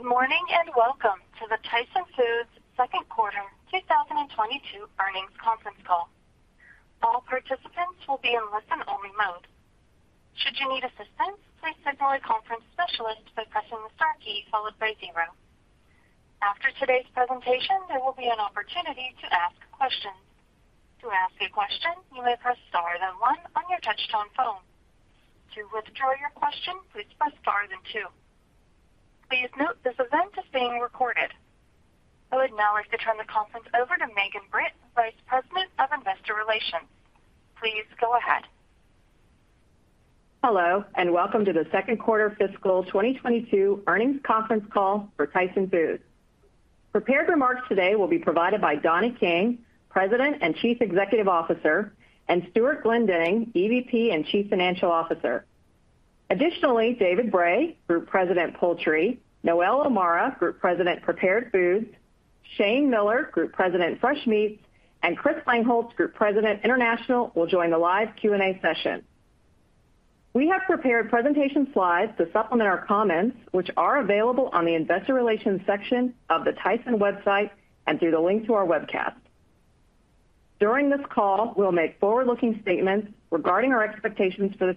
Good morning, and welcome to the Tyson Foods Second Quarter 2022 Earnings Conference Call. All participants will be in listen-only mode. Should you need assistance, please signal a conference specialist by pressing the star key followed by zero. After today's presentation, there will be an opportunity to ask questions. To ask a question, you may press star then one on your touch-tone phone. To withdraw your question, please press star then two. Please note this event is being recorded. I would now like to turn the conference over to Megan Britt, Vice President, Investor Relations. Please go ahead. Hello, and welcome to the Second Quarter Fiscal 2022 Earnings Conference Call for Tyson Foods. Prepared remarks today will be provided by Donnie King, President and Chief Executive Officer, and Stewart Glendinning, EVP and Chief Financial Officer. Additionally, David Bray, Group President, Poultry, Noelle O'Mara, Group President, Prepared Foods, Shane Miller, Group President, Fresh Meats, and Chris Langholz, Group President, International, will join the live Q&A session. We have prepared presentation slides to supplement our comments, which are available on the Investor Relations section of the Tyson website and through the link to our webcast. During this call, we'll make forward-looking statements regarding our expectations for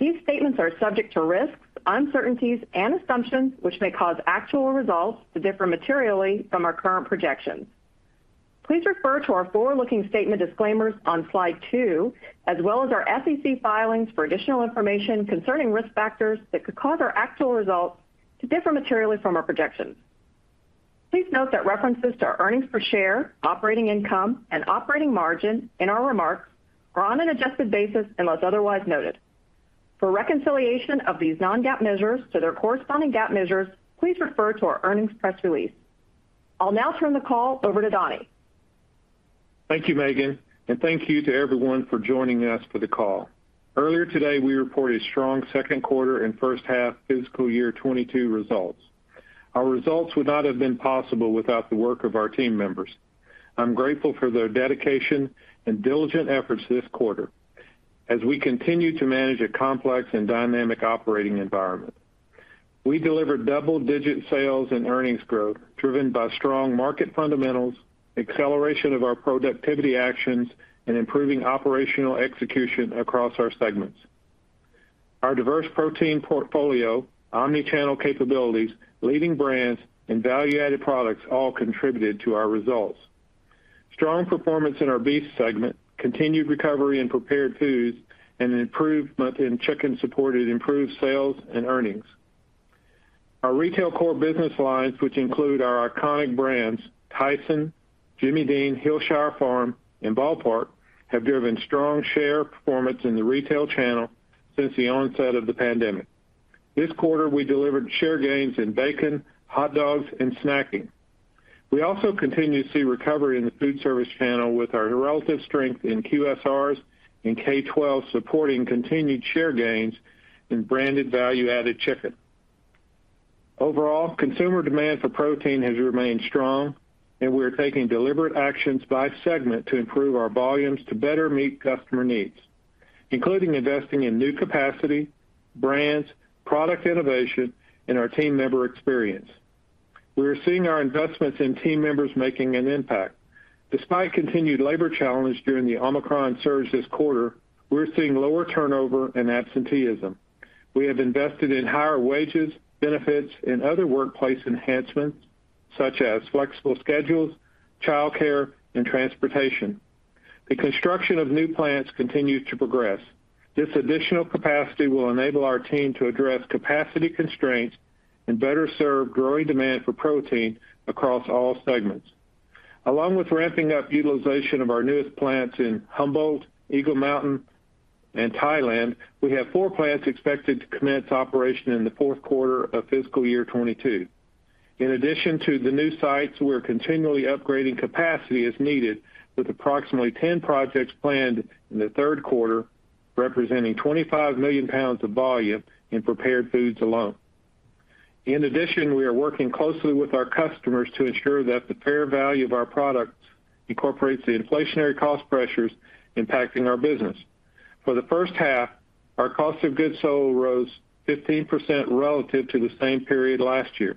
the future. These statements are subject to risks, uncertainties and assumptions which may cause actual results to differ materially from our current projections. Please refer to our forward-looking statement disclaimers on slide two, as well as our SEC filings for additional information concerning risk factors that could cause our actual results to differ materially from our projections. Please note that references to our earnings per share, operating income, and operating margin in our remarks are on an adjusted basis unless otherwise noted. For reconciliation of these non-GAAP measures to their corresponding GAAP measures, please refer to our earnings press release. I'll now turn the call over to Donnie. Thank you, Megan, and thank you to everyone for joining us for the call. Earlier today, we reported strong second quarter and first half fiscal year 2022 results. Our results would not have been possible without the work of our team members. I'm grateful for their dedication and diligent efforts this quarter as we continue to manage a complex and dynamic operating environment. We delivered double-digit sales and earnings growth driven by strong market fundamentals, acceleration of our productivity actions and improving operational execution across our segments. Our diverse protein portfolio, omni-channel capabilities, leading brands and value-added products all contributed to our results. Strong performance in our Beef segment, continued recovery in Prepared Foods and an improvement in Chicken supported improved sales and earnings. Our retail core business lines, which include our iconic brands, Tyson, Jimmy Dean, Hillshire Farm, and Ball Park, have driven strong share performance in the retail channel since the onset of the pandemic. This quarter, we delivered share gains in bacon, hot dogs and snacking. We also continue to see recovery in the food service channel with our relative strength in QSRs and K-12 supporting continued share gains in branded value-added chicken. Overall, consumer demand for protein has remained strong, and we're taking deliberate actions by segment to improve our volumes to better meet customer needs, including investing in new capacity, brands, product innovation, and our team member experience. We are seeing our investments in team members making an impact. Despite continued labor challenge during the Omicron surge this quarter, we're seeing lower turnover and absenteeism. We have invested in higher wages, benefits, and other workplace enhancements, such as flexible schedules, childcare, and transportation. The construction of new plants continues to progress. This additional capacity will enable our team to address capacity constraints and better serve growing demand for protein across all segments. Along with ramping up utilization of our newest plants in Humboldt, Eagle Mountain, and Thailand, we have four plants expected to commence operation in the fourth quarter of fiscal year 2022. In addition to the new sites, we're continually upgrading capacity as needed with approximately 10 projects planned in the third quarter, representing 25 million pounds of volume in prepared foods alone. In addition, we are working closely with our customers to ensure that the fair value of our products incorporates the inflationary cost pressures impacting our business. For the first half, our cost of goods sold rose 15% relative to the same period last year.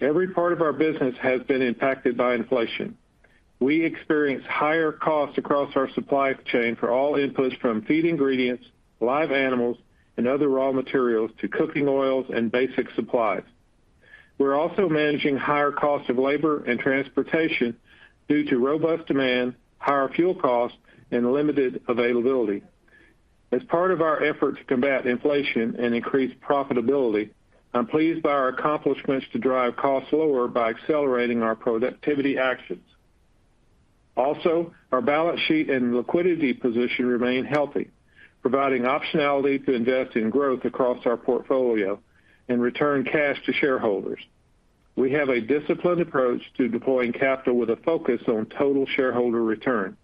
Every part of our business has been impacted by inflation. We experience higher costs across our supply chain for all inputs from feed ingredients, live animals, and other raw materials to cooking oils and basic supplies. We're also managing higher cost of labor and transportation due to robust demand, higher fuel costs, and limited availability. As part of our effort to combat inflation and increase profitability, I'm pleased by our accomplishments to drive costs lower by accelerating our productivity actions. Also, our balance sheet and liquidity position remain healthy, providing optionality to invest in growth across our portfolio and return cash to shareholders. We have a disciplined approach to deploying capital with a focus on total shareholder return.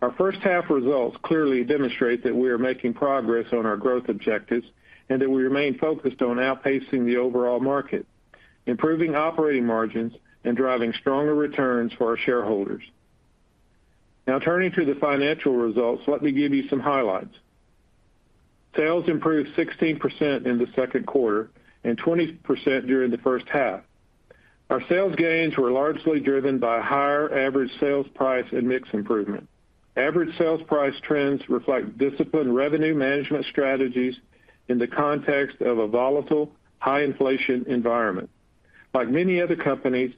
Our first half results clearly demonstrate that we are making progress on our growth objectives and that we remain focused on outpacing the overall market, improving operating margins and driving stronger returns for our shareholders. Now turning to the financial results, let me give you some highlights. Sales improved 16% in the second quarter and 20% during the first half. Our sales gains were largely driven by higher average sales price and mix improvement. Average sales price trends reflect disciplined revenue management strategies in the context of a volatile, high inflation environment. Like many other companies,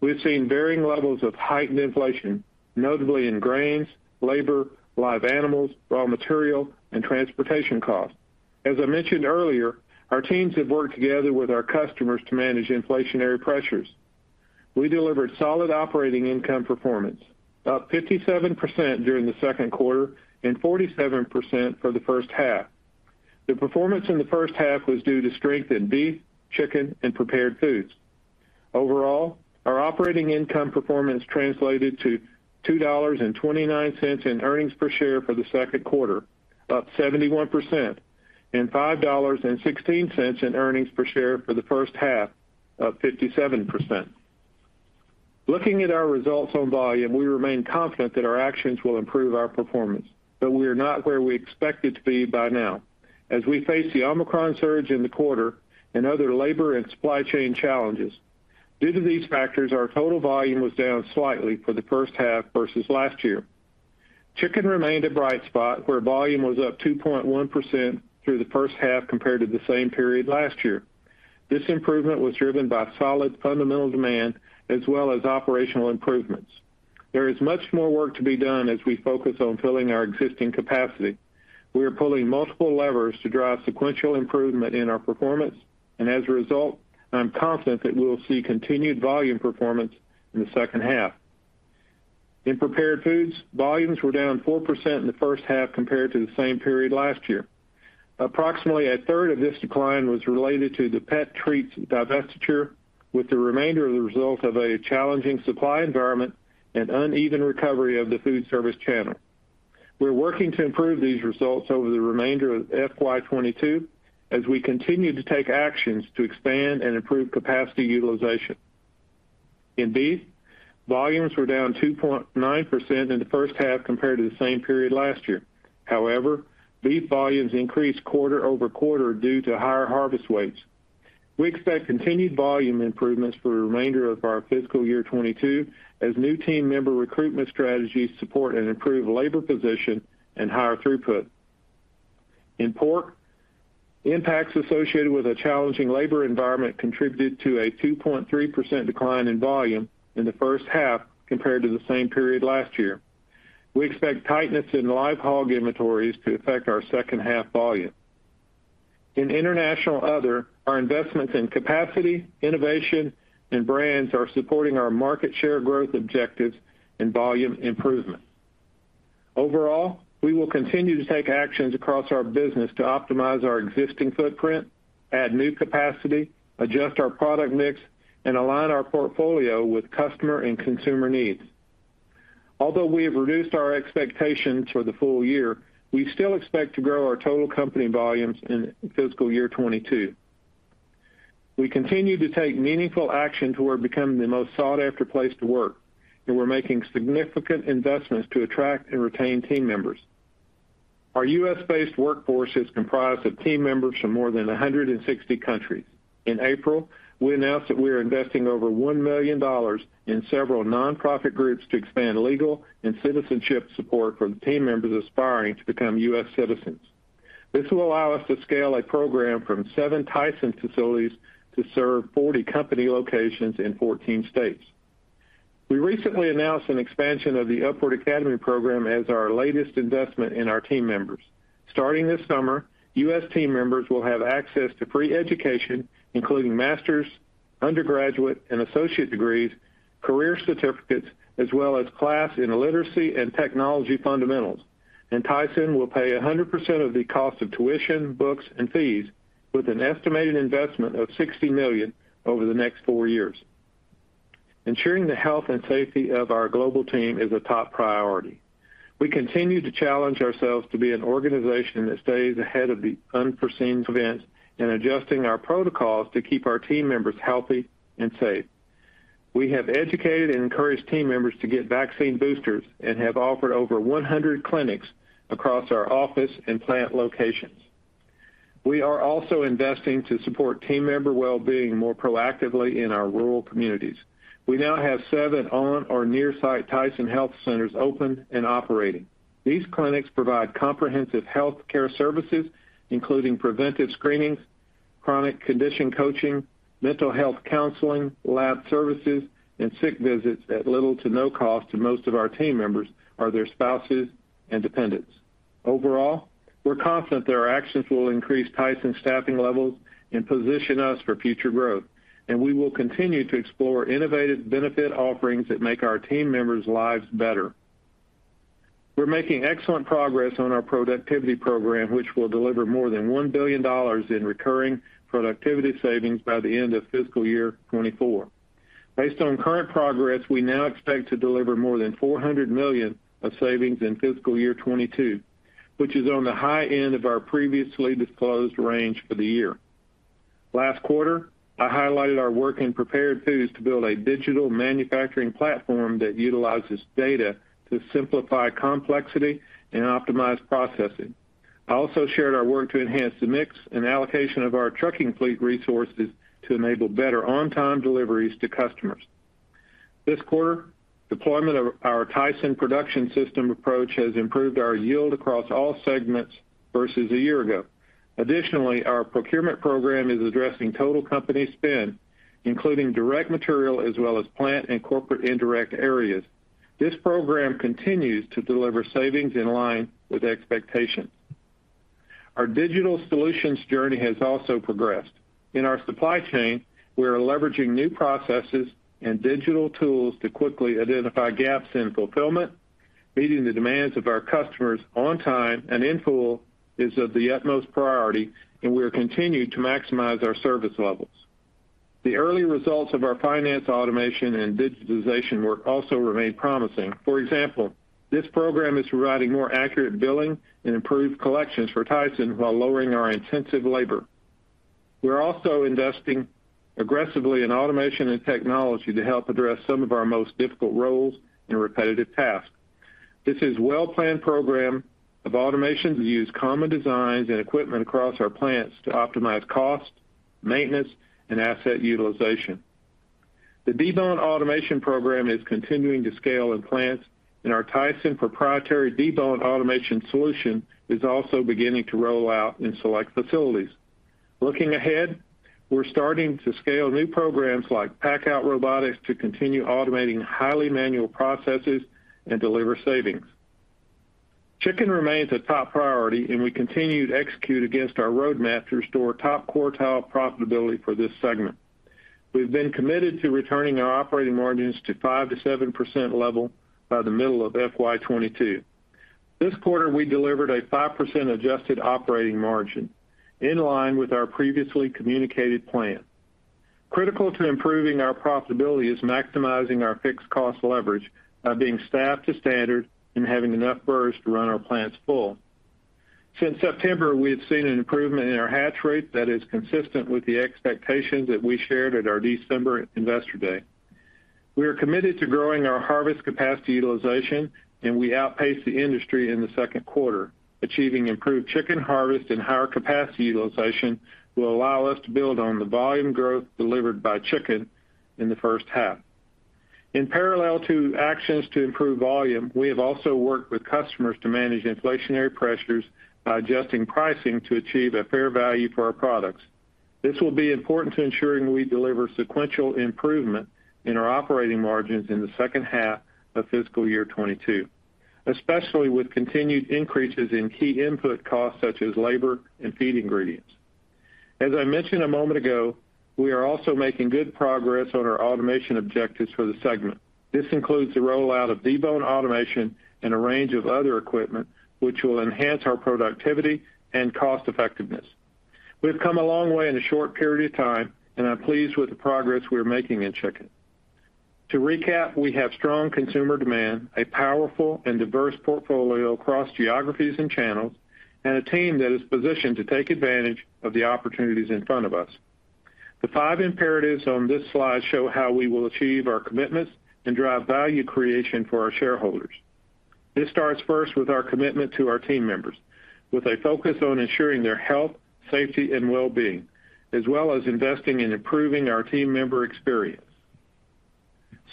we've seen varying levels of heightened inflation, notably in grains, labor, live animals, raw material, and transportation costs. As I mentioned earlier, our teams have worked together with our customers to manage inflationary pressures. We delivered solid operating income performance, up 57% during the second quarter and 47% for the first half. The performance in the first half was due to strength in beef, chicken, and prepared foods. Overall, our operating income performance translated to $2.29 in earnings per share for the second quarter, up 71%, and $5.16 in earnings per share for the first half, up 57%. Looking at our results on volume, we remain confident that our actions will improve our performance, but we are not where we expected to be by now as we face the Omicron surge in the quarter and other labor and supply chain challenges. Due to these factors, our total volume was down slightly for the first half versus last year. Chicken remained a bright spot where volume was up 2.1% through the first half compared to the same period last year. This improvement was driven by solid fundamental demand as well as operational improvements. There is much more work to be done as we focus on filling our existing capacity. We are pulling multiple levers to drive sequential improvement in our performance. As a result, I'm confident that we'll see continued volume performance in the second half. In Prepared Foods, volumes were down 4% in the first half compared to the same period last year. Approximately a third of this decline was related to the pet treats divestiture, with the remainder of the result of a challenging supply environment and uneven recovery of the food service channel. We're working to improve these results over the remainder of FY 2022 as we continue to take actions to expand and improve capacity utilization. In beef, volumes were down 2.9% in the first half compared to the same period last year. However, beef volumes increased quarter-over-quarter due to higher harvest weights. We expect continued volume improvements for the remainder of our FY 2022 as new team member recruitment strategies support and improve labor position and higher throughput. In pork, impacts associated with a challenging labor environment contributed to a 2.3% decline in volume in the first half compared to the same period last year. We expect tightness in live hog inventories to affect our second half volume. In international other, our investments in capacity, innovation, and brands are supporting our market share growth objectives and volume improvement. Overall, we will continue to take actions across our business to optimize our existing footprint, add new capacity, adjust our product mix, and align our portfolio with customer and consumer needs. Although we have reduced our expectations for the full year, we still expect to grow our total company volumes in fiscal year 2022. We continue to take meaningful action toward becoming the most sought-after place to work, and we're making significant investments to attract and retain team members. Our U.S.-based workforce is comprised of team members from more than 160 countries. In April, we announced that we are investing over $1 million in several nonprofit groups to expand legal and citizenship support for the team members aspiring to become U.S. citizens. This will allow us to scale a program from seven Tyson facilities to serve 40 company locations in 14 states. We recently announced an expansion of the Upward Academy program as our latest investment in our team members. Starting this summer, U.S. Team members will have access to free education, including master's, undergraduate, and associate degrees, career certificates, as well as class in literacy and technology fundamentals. Tyson will pay 100% of the cost of tuition, books, and fees with an estimated investment of $60 million over the next four years. Ensuring the health and safety of our global team is a top priority. We continue to challenge ourselves to be an organization that stays ahead of the unforeseen events and adjusting our protocols to keep our team members healthy and safe. We have educated and encouraged team members to get vaccine boosters and have offered over 100 clinics across our office and plant locations. We are also investing to support team member well-being more proactively in our rural communities. We now have seven on or near site Tyson health centers open and operating. These clinics provide comprehensive health care services, including preventive screenings, chronic condition coaching, mental health counseling, lab services, and sick visits at little to no cost to most of our team members or their spouses and dependents. Overall, we're confident that our actions will increase Tyson staffing levels and position us for future growth, and we will continue to explore innovative benefit offerings that make our team members' lives better. We're making excellent progress on our productivity program, which will deliver more than $1 billion in recurring productivity savings by the end of fiscal year 2024. Based on current progress, we now expect to deliver more than $400 million of savings in fiscal year 2022, which is on the high end of our previously disclosed range for the year. Last quarter, I highlighted our work in Prepared Foods to build a digital manufacturing platform that utilizes data to simplify complexity and optimize processing. I also shared our work to enhance the mix and allocation of our trucking fleet resources to enable better on-time deliveries to customers. This quarter, deployment of our Tyson production system approach has improved our yield across all segments versus a year ago. Additionally, our procurement program is addressing total company spend, including direct material as well as plant and corporate indirect areas. This program continues to deliver savings in line with expectations. Our digital solutions journey has also progressed. In our supply chain, we are leveraging new processes and digital tools to quickly identify gaps in fulfillment. Meeting the demands of our customers on time and in full is of the utmost priority, and we are continuing to maximize our service levels. The early results of our finance automation and digitization work also remain promising. For example, this program is providing more accurate billing and improved collections for Tyson while lowering our intensive labor. We're also investing aggressively in automation and technology to help address some of our most difficult roles and repetitive tasks. This is well-planned program of automation to use common designs and equipment across our plants to optimize cost, maintenance, and asset utilization. The debone automation program is continuing to scale in plants, and our Tyson proprietary debone automation solution is also beginning to roll out in select facilities. Looking ahead, we're starting to scale new programs like pack-out robotics to continue automating highly manual processes and deliver savings. Chicken remains a top priority, and we continue to execute against our roadmap to restore top quartile profitability for this segment. We've been committed to returning our operating margins to 5%-7% level by the middle of FY 2022. This quarter, we delivered a 5% adjusted operating margin in line with our previously communicated plan. Critical to improving our profitability is maximizing our fixed cost leverage by being staffed to standard and having enough birds to run our plants full. Since September, we have seen an improvement in our hatch rate that is consistent with the expectations that we shared at our December Investor Day. We are committed to growing our harvest capacity utilization, and we outpaced the industry in the second quarter. Achieving improved chicken harvest and higher capacity utilization will allow us to build on the volume growth delivered by chicken in the first half. In parallel to actions to improve volume, we have also worked with customers to manage inflationary pressures by adjusting pricing to achieve a fair value for our products. This will be important to ensuring we deliver sequential improvement in our operating margins in the second half of fiscal year 2022, especially with continued increases in key input costs such as labor and feed ingredients. As I mentioned a moment ago, we are also making good progress on our automation objectives for the segment. This includes the rollout of debone automation and a range of other equipment, which will enhance our productivity and cost effectiveness. We've come a long way in a short period of time, and I'm pleased with the progress we're making in chicken. To recap, we have strong consumer demand, a powerful and diverse portfolio across geographies and channels, and a team that is positioned to take advantage of the opportunities in front of us. The five imperatives on this slide show how we will achieve our commitments and drive value creation for our shareholders. This starts first with our commitment to our team members, with a focus on ensuring their health, safety and well-being, as well as investing in improving our team member experience.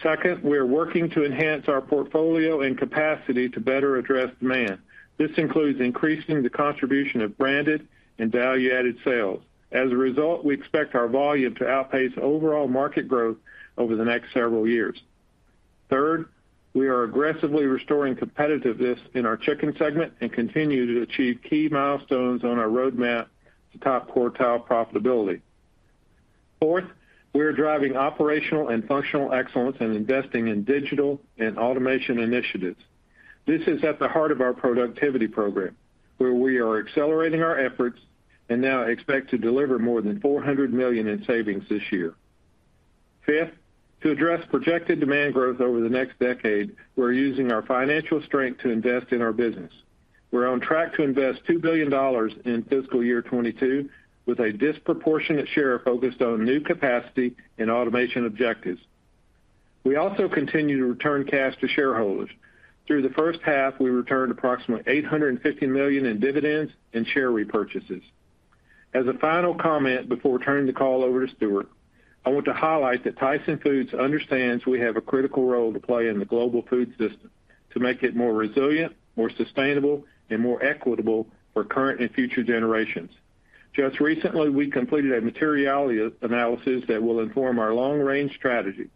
Second, we are working to enhance our portfolio and capacity to better address demand. This includes increasing the contribution of branded and value-added sales. As a result, we expect our volume to outpace overall market growth over the next several years. Third, we are aggressively restoring competitiveness in our chicken segment and continue to achieve key milestones on our roadmap to top quartile profitability. Fourth, we are driving operational and functional excellence and investing in digital and automation initiatives. This is at the heart of our productivity program, where we are accelerating our efforts and now expect to deliver more than $400 million in savings this year. Fifth, to address projected demand growth over the next decade, we're using our financial strength to invest in our business. We're on track to invest $2 billion in fiscal year 2022 with a disproportionate share focused on new capacity and automation objectives. We also continue to return cash to shareholders. Through the first half, we returned approximately $850 million in dividends and share repurchases. As a final comment before turning the call over to Stewart, I want to highlight that Tyson Foods understands we have a critical role to play in the global food system to make it more resilient, more sustainable, and more equitable for current and future generations. Just recently, we completed a materiality analysis that will inform our long-range strategy.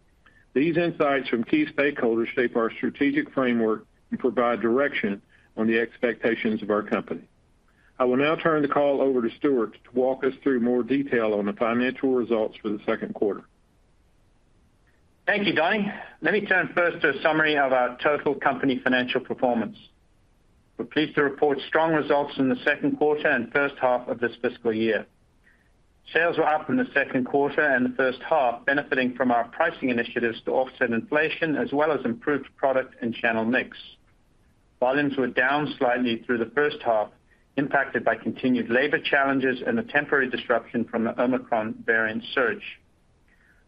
These insights from key stakeholders shape our strategic framework and provide direction on the expectations of our company. I will now turn the call over to Stewart to walk us through more detail on the financial results for the second quarter. Thank you, Donnie. Let me turn first to a summary of our total company financial performance. We're pleased to report strong results in the second quarter and first half of this fiscal year. Sales were up in the second quarter and the first half, benefiting from our pricing initiatives to offset inflation as well as improved product and channel mix. Volumes were down slightly through the first half, impacted by continued labor challenges and the temporary disruption from the Omicron variant surge.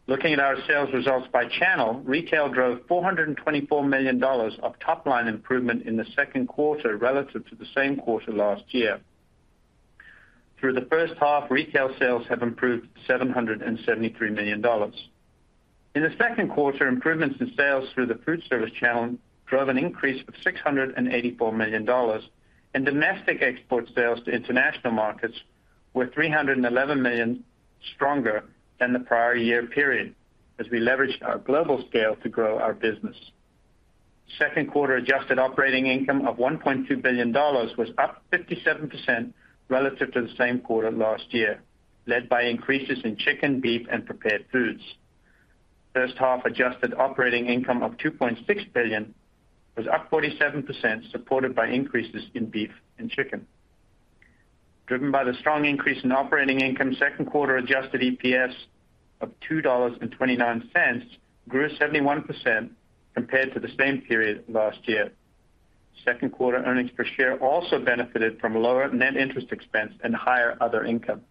Looking at our sales results by channel, retail drove $424 million of top-line improvement in the second quarter relative to the same quarter last year. Through the first half, retail sales have improved $773 million. In the second quarter, improvements in sales through the food service channel drove an increase of $684 million and domestic export sales to international markets were $311 million stronger than the prior year period as we leveraged our global scale to grow our business. Second quarter adjusted operating income of $1.2 billion was up 57% relative to the same quarter last year, led by increases in chicken, beef and prepared foods. First half adjusted operating income of $2.6 billion was up 47%, supported by increases in beef and chicken. Driven by the strong increase in operating income, second quarter adjusted EPS of $2.29 grew 71% compared to the same period last year. Second quarter earnings per share also benefited from lower net interest expense and higher other income.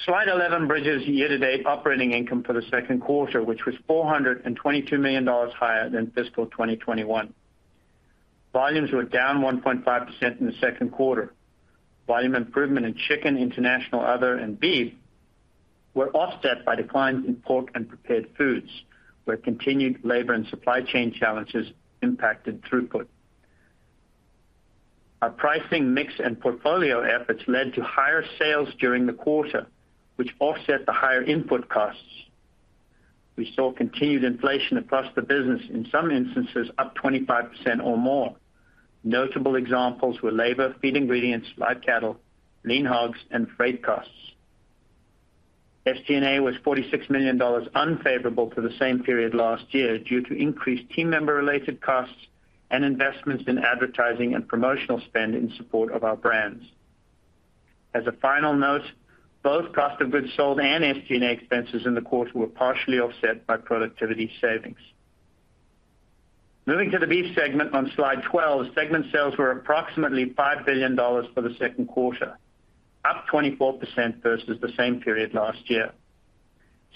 Slide 11 bridges year-to-date operating income for the second quarter, which was $422 million higher than fiscal 2021. Volumes were down 1.5% in the second quarter. Volume improvement in chicken, international, other, and beef were offset by declines in pork and prepared foods, where continued labor and supply chain challenges impacted throughput. Our pricing mix and portfolio efforts led to higher sales during the quarter, which offset the higher input costs. We saw continued inflation across the business, in some instances up 25% or more. Notable examples were labor, feed ingredients, live cattle, lean hogs and freight costs. SG&A was $46 million unfavorable to the same period last year due to increased team member-related costs and investments in advertising and promotional spend in support of our brands. As a final note, both cost of goods sold and SG&A expenses in the quarter were partially offset by productivity savings. Moving to the Beef segment on Slide 12, segment sales were approximately $5 billion for the second quarter, up 24% versus the same period last year.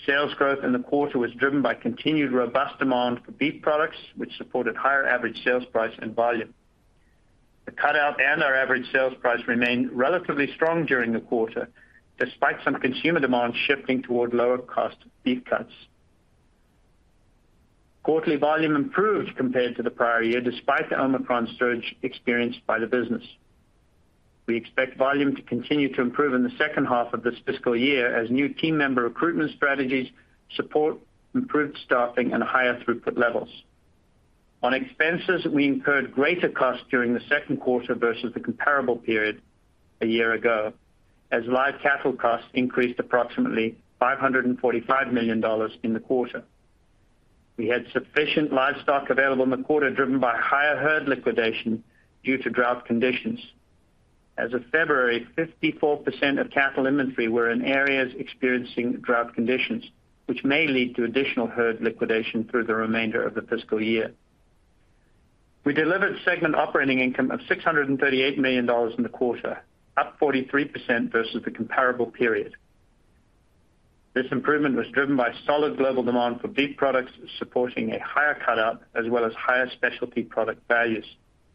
Sales growth in the quarter was driven by continued robust demand for beef products, which supported higher average sales price and volume. The cutout and our average sales price remained relatively strong during the quarter, despite some consumer demand shifting toward lower cost beef cuts. Quarterly volume improved compared to the prior year, despite the Omicron surge experienced by the business. We expect volume to continue to improve in the second half of this fiscal year as new team member recruitment strategies support improved staffing and higher throughput levels. On expenses, we incurred greater costs during the second quarter versus the comparable period a year ago, as live cattle costs increased approximately $545 million in the quarter. We had sufficient livestock available in the quarter, driven by higher herd liquidation due to drought conditions. As of February, 54% of cattle inventory were in areas experiencing drought conditions, which may lead to additional herd liquidation through the remainder of the fiscal year. We delivered segment operating income of $638 million in the quarter, up 43% versus the comparable period. This improvement was driven by solid global demand for beef products, supporting a higher cutout as well as higher specialty product values,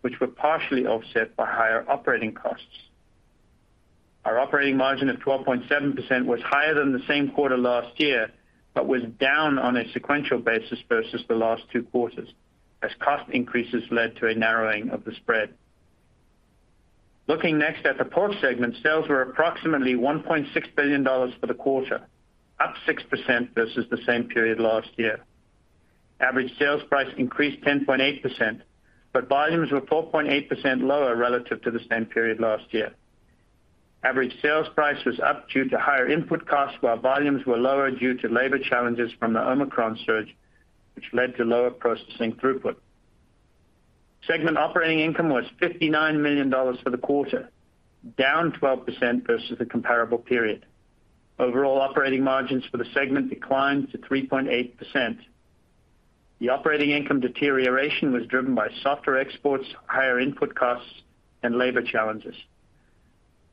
which were partially offset by higher operating costs. Our operating margin of 12.7% was higher than the same quarter last year, but was down on a sequential basis versus the last two quarters as cost increases led to a narrowing of the spread. Looking next at the Pork segment, sales were approximately $1.6 billion for the quarter, up 6% versus the same period last year. Average sales price increased 10.8%, but volumes were 4.8% lower relative to the same period last year. Average sales price was up due to higher input costs, while volumes were lower due to labor challenges from the Omicron surge, which led to lower processing throughput. Segment operating income was $59 million for the quarter, down 12% versus the comparable period. Overall operating margins for the segment declined to 3.8%. The operating income deterioration was driven by softer exports, higher input costs and labor challenges.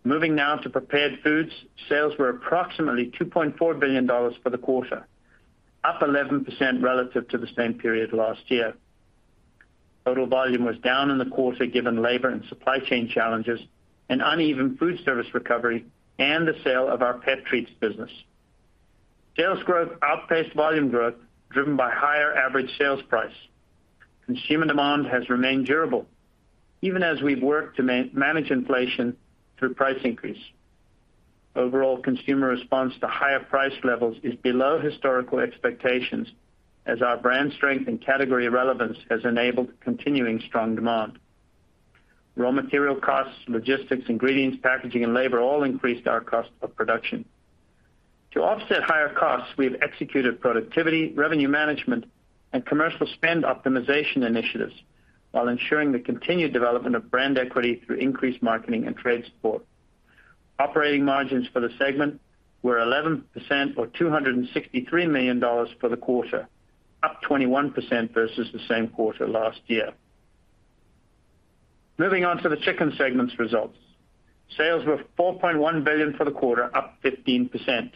Moving now to Prepared Foods. Sales were approximately $2.4 billion for the quarter, up 11% relative to the same period last year. Total volume was down in the quarter, given labor and supply chain challenges and uneven food service recovery and the sale of our pet treats business. Sales growth outpaced volume growth driven by higher average sales price. Consumer demand has remained durable even as we've worked to manage inflation through price increase. Overall, consumer response to higher price levels is below historical expectations as our brand strength and category relevance has enabled continuing strong demand. Raw material costs, logistics, ingredients, packaging and labor all increased our cost of production. To offset higher costs, we've executed productivity, revenue management and commercial spend optimization initiatives while ensuring the continued development of brand equity through increased marketing and trade support. Operating margins for the segment were 11% or $263 million for the quarter, up 21% versus the same quarter last year. Moving on to the Chicken segment's results. Sales were $4.1 billion for the quarter, up 15%.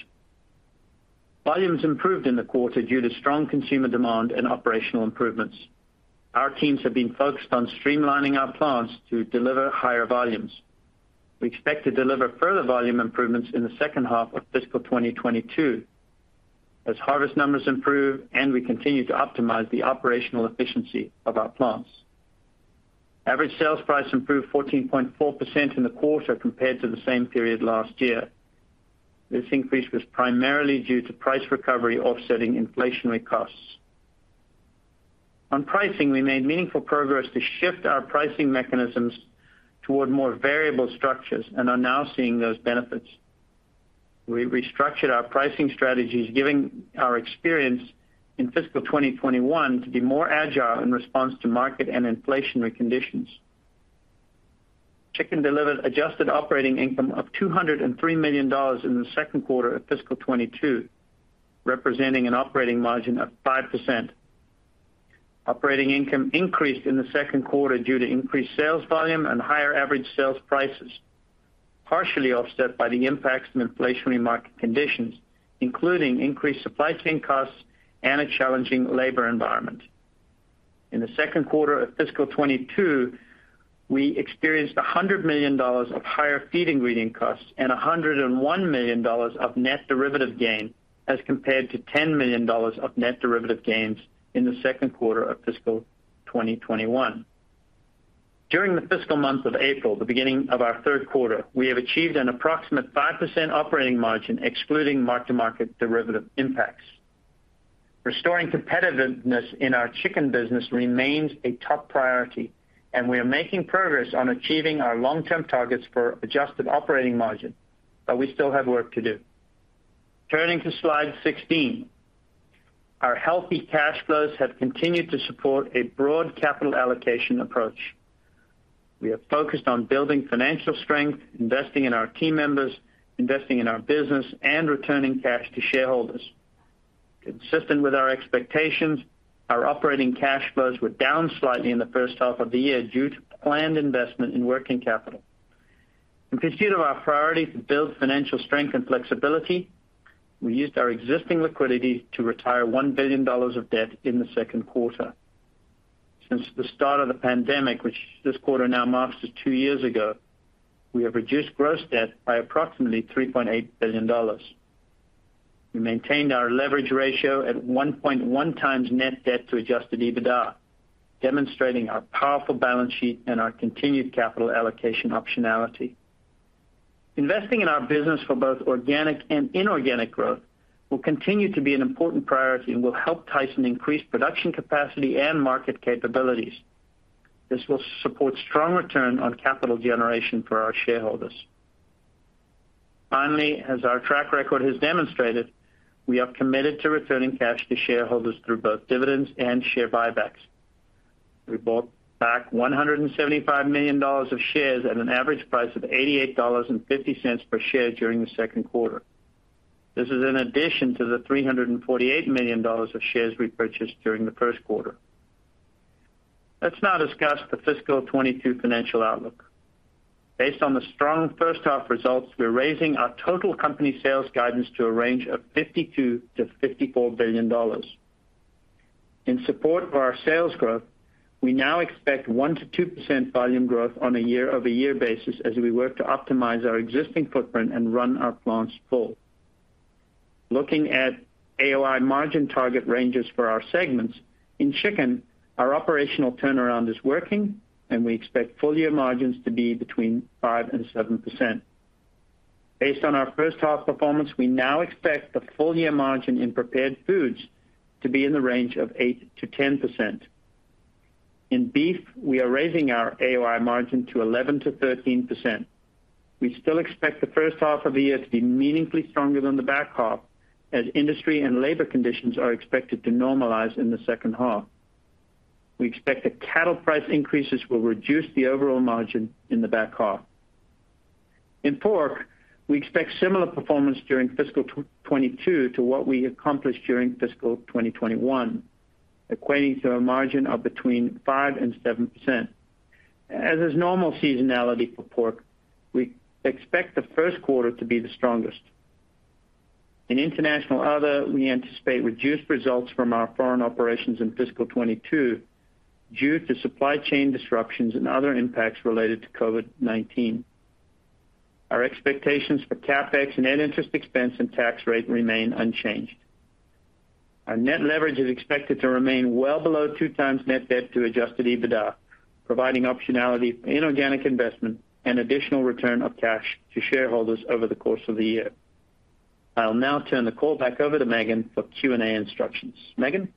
Volumes improved in the quarter due to strong consumer demand and operational improvements. Our teams have been focused on streamlining our plants to deliver higher volumes. We expect to deliver further volume improvements in the second half of fiscal 2022 as harvest numbers improve and we continue to optimize the operational efficiency of our plants. Average sales price improved 14.4% in the quarter compared to the same period last year. This increase was primarily due to price recovery offsetting inflationary costs. On pricing, we made meaningful progress to shift our pricing mechanisms toward more variable structures and are now seeing those benefits. We restructured our pricing strategies, giving our experience in fiscal 2021 to be more agile in response to market and inflationary conditions. Chicken delivered adjusted operating income of $203 million in the second quarter of fiscal 2022, representing an operating margin of 5%. Operating income increased in the second quarter due to increased sales volume and higher average sales prices, partially offset by the impacts from inflationary market conditions, including increased supply chain costs and a challenging labor environment. In the second quarter of fiscal 2022, we experienced $100 million of higher feed ingredient costs and $101 million of net derivative gain as compared to $10 million of net derivative gains in the second quarter of fiscal 2021. During the fiscal month of April, the beginning of our third quarter, we have achieved an approximate 5% operating margin, excluding mark-to-market derivative impacts. Restoring competitiveness in our chicken business remains a top priority, and we are making progress on achieving our long-term targets for adjusted operating margin, but we still have work to do. Turning to Slide 16. Our healthy cash flows have continued to support a broad capital allocation approach. We are focused on building financial strength, investing in our team members, investing in our business, and returning cash to shareholders. Consistent with our expectations, our operating cash flows were down slightly in the first half of the year due to planned investment in working capital. In pursuit of our priority to build financial strength and flexibility, we used our existing liquidity to retire $1 billion of debt in the second quarter. Since the start of the pandemic, which this quarter now marks as two years ago, we have reduced gross debt by approximately $3.8 billion. We maintained our leverage ratio at 1.1 times net debt to adjusted EBITDA, demonstrating our powerful balance sheet and our continued capital allocation optionality. Investing in our business for both organic and inorganic growth will continue to be an important priority and will help Tyson increase production capacity and market capabilities. This will support strong return on capital generation for our shareholders. Finally, as our track record has demonstrated, we are committed to returning cash to shareholders through both dividends and share buybacks. We bought back $175 million of shares at an average price of $88.50 per share during the second quarter. This is in addition to the $348 million of shares we purchased during the first quarter. Let's now discuss the fiscal 2022 financial outlook. Based on the strong first half results, we're raising our total company sales guidance to a range of $52 billion-$54 billion. In support of our sales growth, we now expect 1%-2% volume growth on a year-over-year basis as we work to optimize our existing footprint and run our plants full. Looking at AOI margin target ranges for our segments, in Chicken, our operational turnaround is working, and we expect full year margins to be between 5% and 7%. Based on our first half performance, we now expect the full year margin in Prepared Foods to be in the range of 8%-10%. In Beef, we are raising our AOI margin to 11%-13%. We still expect the first half of the year to be meaningfully stronger than the back half, as industry and labor conditions are expected to normalize in the second half. We expect that cattle price increases will reduce the overall margin in the back half. In Pork, we expect similar performance during fiscal 2022 to what we accomplished during fiscal 2021, equating to a margin of between 5% and 7%. As is normal seasonality for Pork, we expect the first quarter to be the strongest. In International Other, we anticipate reduced results from our foreign operations in fiscal 2022 due to supply chain disruptions and other impacts related to COVID-19. Our expectations for CapEx, net interest expense, and tax rate remain unchanged. Our net leverage is expected to remain well below two times net debt to adjusted EBITDA, providing optionality for inorganic investment and additional return of cash to shareholders over the course of the year. I'll now turn the call back over to Megan for Q&A instructions. Megan?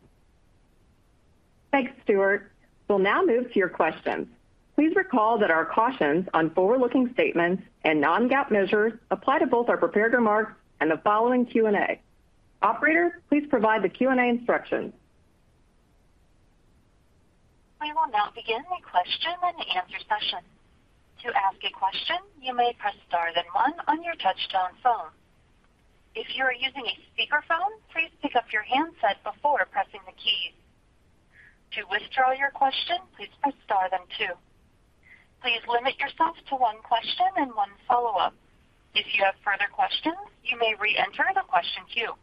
Thanks, Stewart. We'll now move to your questions. Please recall that our cautions on forward-looking statements and non-GAAP measures apply to both our prepared remarks and the following Q&A. Operator, please provide the Q&A instructions. Begin the question and answer session. To ask a question, you may press star then One on your touchtone phone. If you are using a speakerphone, please pick up your handset before pressing the keys. To withdraw your question, please press star then two. Please limit yourself to one question and one follow-up. If you have further questions, you may re-enter the question queue.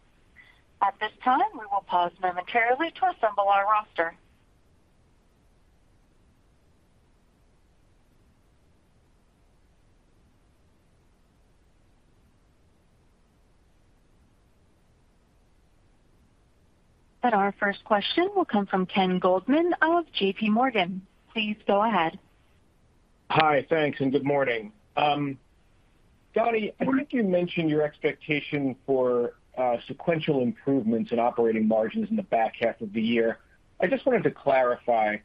At this time, we will pause momentarily to assemble our roster. Our first question will come from Ken Goldman of JPMorgan. Please go ahead. Hi. Thanks, and good morning. Donnie, I think you mentioned your expectation for sequential improvements in operating margins in the back half of the year. I just wanted to clarify.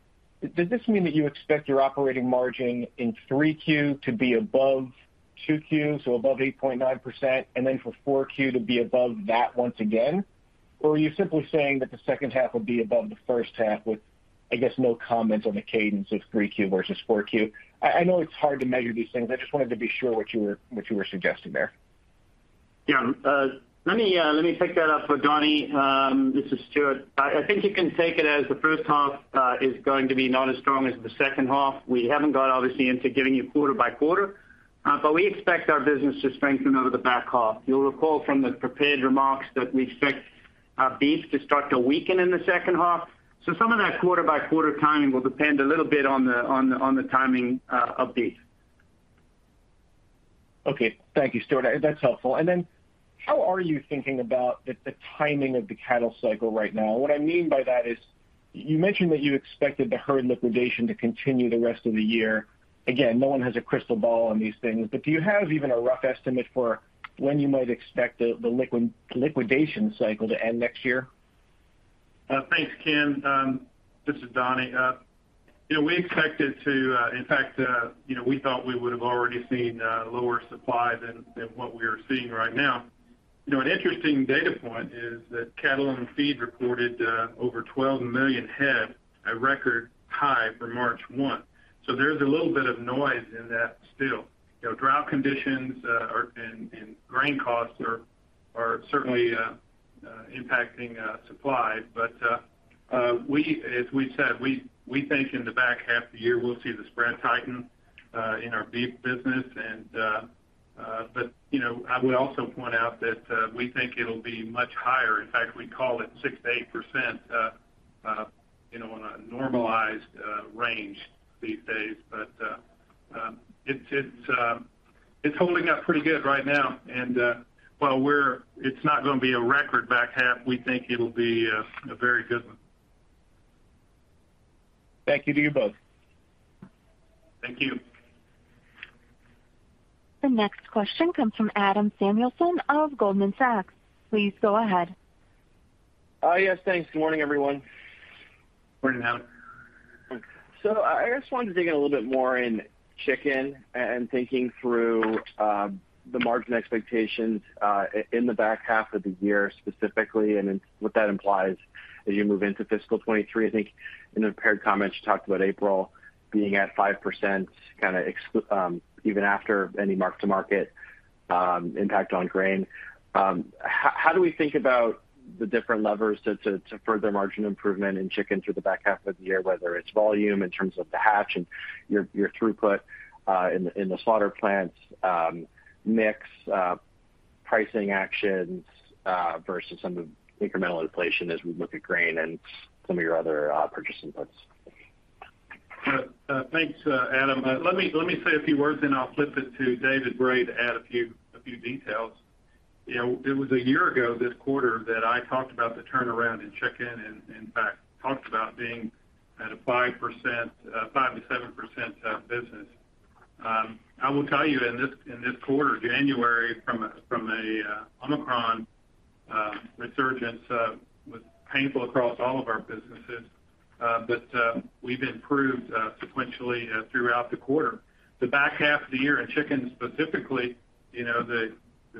Does this mean that you expect your operating margin in 3Q to be above 2Q, so above 8.9%, and then for 4Q to be above that once again? Or are you simply saying that the second half will be above the first half with, I guess, no comment on the cadence of 3Q versus 4Q? I know it's hard to measure these things. I just wanted to be sure what you were suggesting there. Yeah. Let me pick that up for Donnie. This is Stewart. I think you can take it as the first half is going to be not as strong as the second half. We haven't got obviously into giving you quarter by quarter, but we expect our business to strengthen over the back half. You'll recall from the prepared remarks that we expect our beef to start to weaken in the second half. Some of that quarter-by-quarter timing will depend a little bit on the timing of beef. Okay. Thank you, Stewart. That's helpful. How are you thinking about the timing of the cattle cycle right now? What I mean by that is you mentioned that you expected the herd liquidation to continue the rest of the year. Again, no one has a crystal ball on these things, but do you have even a rough estimate for when you might expect the liquidation cycle to end next year? Thanks, Ken. This is Donnie. You know, we expected to, in fact, you know, we thought we would have already seen lower supply than what we are seeing right now. You know, an interesting data point is that cattle on feed reported over 12 million head, a record high for March 1. So there's a little bit of noise in that still. You know, drought conditions and grain costs are certainly impacting supply. But as we said, we think in the back half of the year, we'll see the spread tighten in our beef business. But you know, I would also point out that we think it'll be much higher. In fact, we call it 6%-8%, you know, on a normalized range these days. It's holding up pretty good right now. It's not gonna be a record back half, we think it'll be a very good one. Thank you to you both. Thank you. The next question comes from Adam Samuelson of Goldman Sachs. Please go ahead. Yes, thanks. Good morning, everyone. Morning, Adam. I just wanted to dig in a little bit more in chicken and thinking through the margin expectations in the back half of the year, specifically, and then what that implies as you move into fiscal 2023. I think in the prepared comments, you talked about April being at 5% even after any mark-to-market impact on grain. How do we think about the different levers to further margin improvement in chicken through the back half of the year, whether it's volume in terms of the hatch and your throughput in the slaughter plants, mix, pricing actions, versus some of the incremental inflation as we look at grain and some of your other purchase inputs? Thanks, Adam. Let me say a few words, and I'll flip it to David Bray to add a few details. You know, it was a year ago this quarter that I talked about the turnaround in chicken and, in fact, talked about being at a 5%, 5%-7% business. I will tell you in this quarter, January from a Omicron resurgence was painful across all of our businesses, but we've improved sequentially throughout the quarter. The back half of the year in chicken specifically, you know, the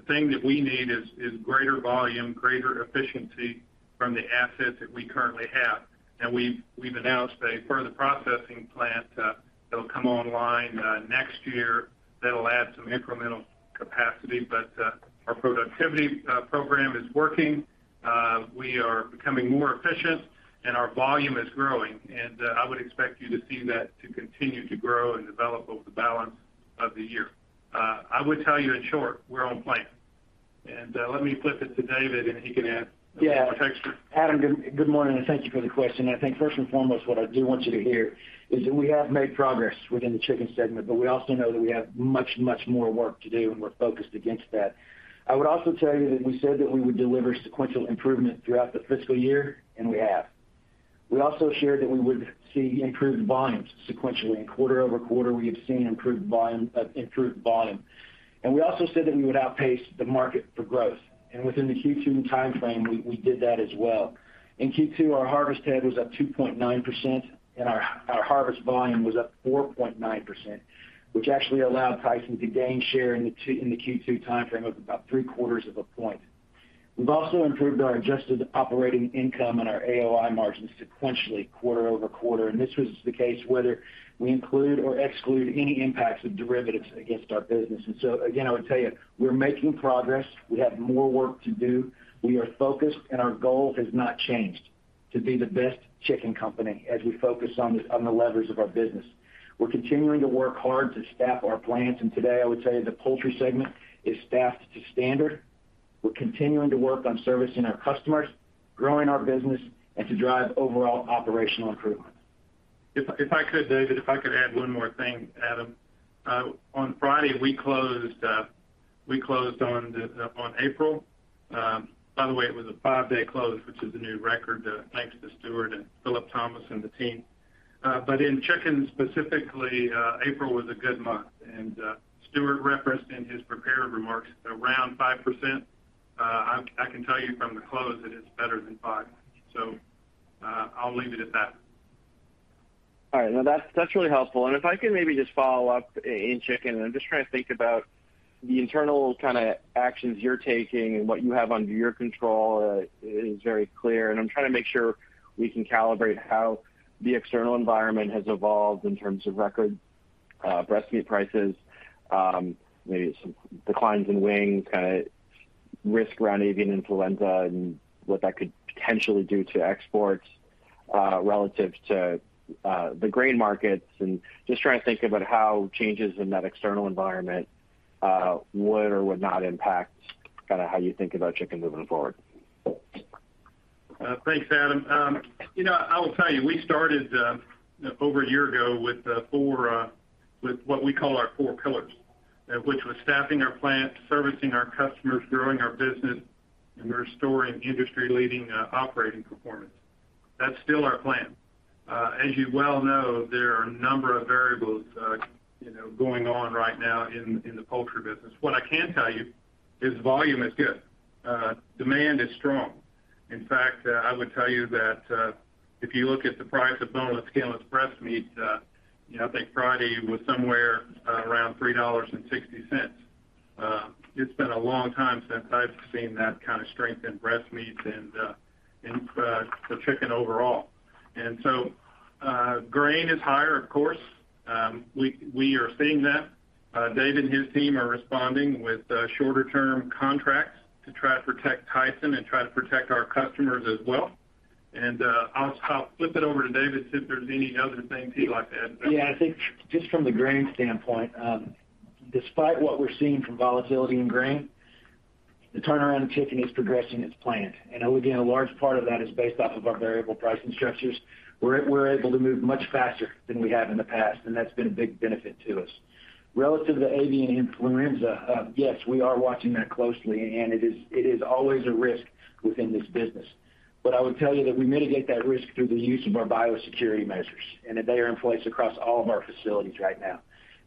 thing that we need is greater volume, greater efficiency from the assets that we currently have. Now we've announced a further processing plant that'll come online next year that'll add some incremental capacity. Our productivity program is working. We are becoming more efficient, and our volume is growing. I would expect you to see that to continue to grow and develop over the balance of the year. I would tell you in short, we're on plan. Let me flip it to David, and he can add. Yeah. A little more texture. Adam, good morning, and thank you for the question. I think first and foremost, what I do want you to hear is that we have made progress within the chicken segment, but we also know that we have much, much more work to do, and we're focused against that. I would also tell you that we said that we would deliver sequential improvement throughout the fiscal year, and we have. We also shared that we would see improved volumes sequentially and quarter over quarter, we have seen improved volume. We also said that we would outpace the market for growth. Within the Q2 timeframe, we did that as well. In Q2, our harvest head was up 2.9%, and our harvest volume was up 4.9%, which actually allowed Tyson to gain share in the Q2 timeframe of about three-quarters of a point. We've also improved our adjusted operating income and our AOI margin sequentially quarter over quarter, and this was the case whether we include or exclude any impacts of derivatives against our business. Again, I would tell you, we're making progress. We have more work to do. We are focused, and our goal has not changed, to be the best chicken company as we focus on the levers of our business. We're continuing to work hard to staff our plants, and today, I would say the poultry segment is staffed to standard. We're continuing to work on servicing our customers, growing our business, and to drive overall operational improvement. If I could add one more thing, David, Adam. On Friday, we closed on April. By the way, it was a five-day close, which is a new record, thanks to Stewart and Philip Thomas and the team. In chicken specifically, April was a good month. Stewart referenced in his prepared remarks around 5%. I can tell you from the close that it's better than five. I'll leave it at that. All right. No, that's really helpful. If I could maybe just follow up in chicken. I'm just trying to think about the internal kind of actions you're taking and what you have under your control is very clear. I'm trying to make sure we can calibrate how the external environment has evolved in terms of record breast meat prices, maybe some declines in wings, kind of risk around avian influenza and what that could potentially do to exports, relative to the grain markets. Just trying to think about how changes in that external environment would or would not impact kind of how you think about chicken moving forward. Thanks, Adam. You know, I will tell you, we started over a year ago with what we call our four pillars, which was staffing our plants, servicing our customers, growing our business, and restoring industry-leading operating performance. That's still our plan. As you well know, there are a number of variables, you know, going on right now in the poultry business. What I can tell you is volume is good. Demand is strong. In fact, I would tell you that, if you look at the price of boneless skinless breast meat, you know, I think Friday was somewhere around $3.60. It's been a long time since I've seen that kind of strength in breast meat and in the chicken overall. Grain is higher, of course. We are seeing that. Dave and his team are responding with shorter term contracts to try to protect Tyson and try to protect our customers as well. I'll flip it over to David to see if there's any other things he'd like to add. Yeah. I think just from the grain standpoint, despite what we're seeing from volatility in grain, the turnaround in chicken is progressing as planned. Again, a large part of that is based off of our variable pricing structures. We're able to move much faster than we have in the past, and that's been a big benefit to us. Relative to avian influenza, yes, we are watching that closely, and it is always a risk within this business. I would tell you that we mitigate that risk through the use of our biosecurity measures, and that they are in place across all of our facilities right now.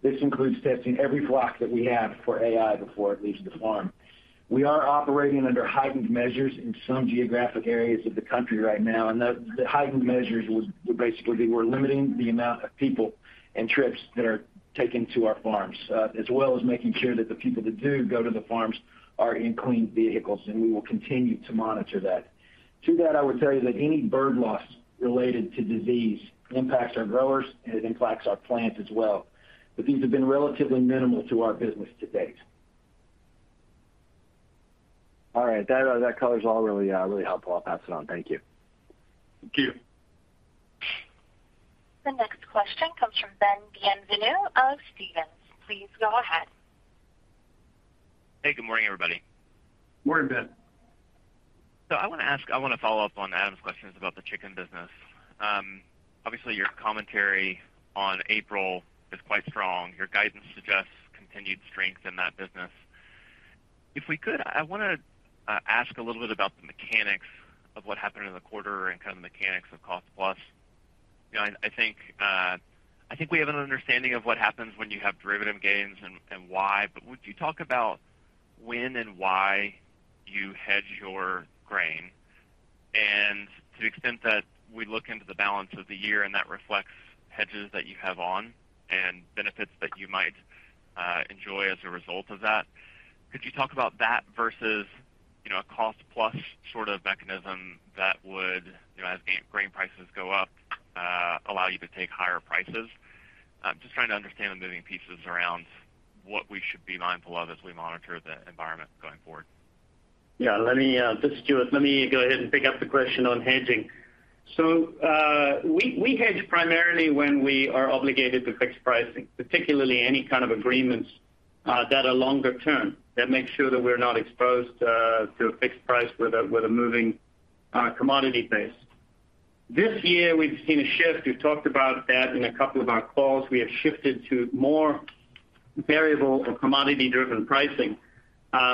This includes testing every flock that we have for AI before it leaves the farm. We are operating under heightened measures in some geographic areas of the country right now, and the heightened measures would basically be we're limiting the amount of people and trips that are taken to our farms, as well as making sure that the people that do go to the farms are in clean vehicles, and we will continue to monitor that. To that, I would tell you that any bird loss related to disease impacts our growers, and it impacts our plants as well. These have been relatively minimal to our business to date. All right. That covers it all, really. Really helpful. I'll pass it on. Thank you. Thank you. The next question comes from Ben Bienvenu of Stephens. Please go ahead. Hey, good morning, everybody. Morning, Ben. I wanna follow up on Adam's questions about the chicken business. Obviously, your commentary on April is quite strong. Your guidance suggests continued strength in that business. If we could, I wanna ask a little bit about the mechanics of what happened in the quarter and kind of the mechanics of cost plus. You know, I think we have an understanding of what happens when you have derivative gains and why, but would you talk about when and why you hedge your grain? To the extent that we look into the balance of the year and that reflects hedges that you have on and benefits that you might enjoy as a result of that, could you talk about that versus, you know, a cost plus sort of mechanism that would, you know, as grain prices go up, allow you to take higher prices? I'm just trying to understand the moving pieces around what we should be mindful of as we monitor the environment going forward. Yeah. Let me, this is Stewart. Let me go ahead and pick up the question on hedging. We hedge primarily when we are obligated to fixed pricing, particularly any kind of agreements that are longer term, that make sure that we're not exposed to a fixed price with a moving commodity base. This year, we've seen a shift. We've talked about that in a couple of our calls. We have shifted to more variable or commodity-driven pricing,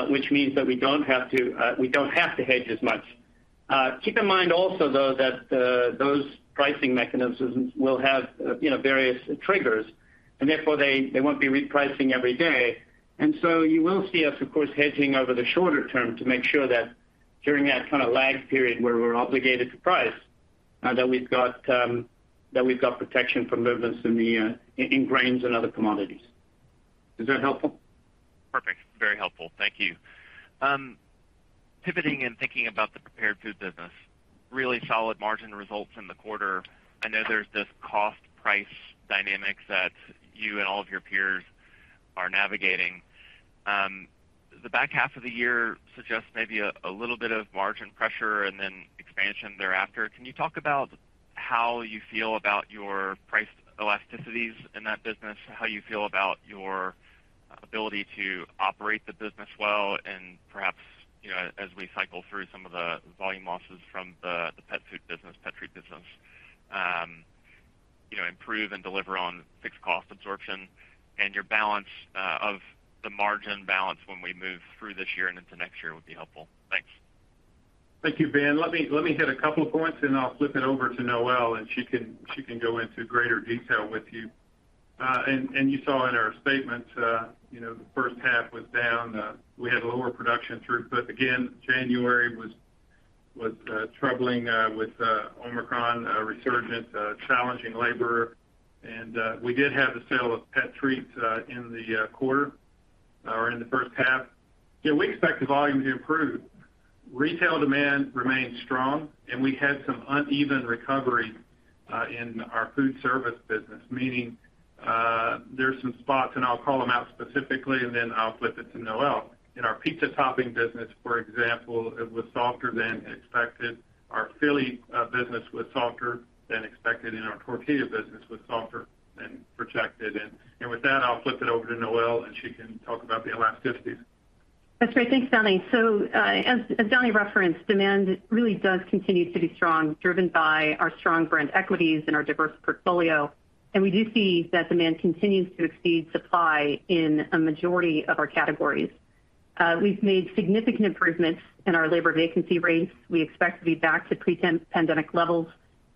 which means that we don't have to hedge as much. Keep in mind also, though, that those pricing mechanisms will have, you know, various triggers, and therefore they won't be repricing every day. You will see us, of course, hedging over the shorter term to make sure that during that kind of lag period where we're obligated to price, that we've got protection from movements in the grains and other commodities. Is that helpful? Perfect. Very helpful. Thank you. Pivoting and thinking about the Prepared Foods business, really solid margin results in the quarter. I know there's this cost-price dynamics that you and all of your peers are navigating. The back half of the year suggests maybe a little bit of margin pressure and then expansion thereafter. Can you talk about how you feel about your price elasticities in that business, how you feel about your ability to operate the business well, and perhaps, you know, as we cycle through some of the volume losses from the pet treat business, you know, improve and deliver on fixed cost absorption and your balance of the margin balance when we move through this year and into next year would be helpful. Thanks. Thank you, Ben. Let me hit a couple of points and I'll flip it over to Noelle and she can go into greater detail with you. You saw in our statement, you know, the first half was down. We had lower production through. Again, January was troubling with Omicron resurgence, challenging labor. We did have the sale of pet treats in the quarter or in the first half. Yeah, we expect the volume to improve. Retail demand remains strong and we had some uneven recovery in our food service business, meaning there's some spots, and I'll call them out specifically and then I'll flip it to Noelle. In our pizza topping business, for example, it was softer than expected. Our Philly business was softer than expected and our tortilla business was softer than projected. With that, I'll flip it over to Noelle and she can talk about the elasticities. That's great. Thanks, Donnie. As Donnie referenced, demand really does continue to be strong, driven by our strong brand equities and our diverse portfolio. We do see that demand continues to exceed supply in a majority of our categories. We've made significant improvements in our labor vacancy rates. We expect to be back to pre-pandemic levels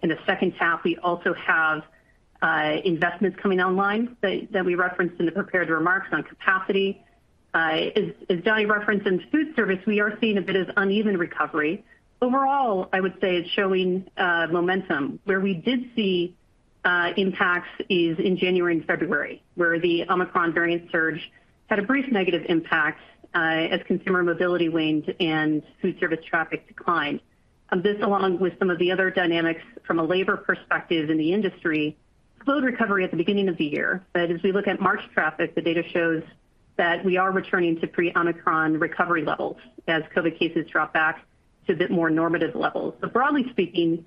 in the second half. We also have investments coming online that we referenced in the prepared remarks on capacity. As Donnie referenced in food service, we are seeing a bit of uneven recovery. Overall, I would say it's showing momentum. Where we did see impacts is in January and February, where the Omicron variant surge had a brief negative impact, as consumer mobility waned and food service traffic declined. This along with some of the other dynamics from a labor perspective in the industry, slowed recovery at the beginning of the year. As we look at March traffic, the data shows that we are returning to pre-Omicron recovery levels as COVID cases drop back to a bit more normative levels. Broadly speaking,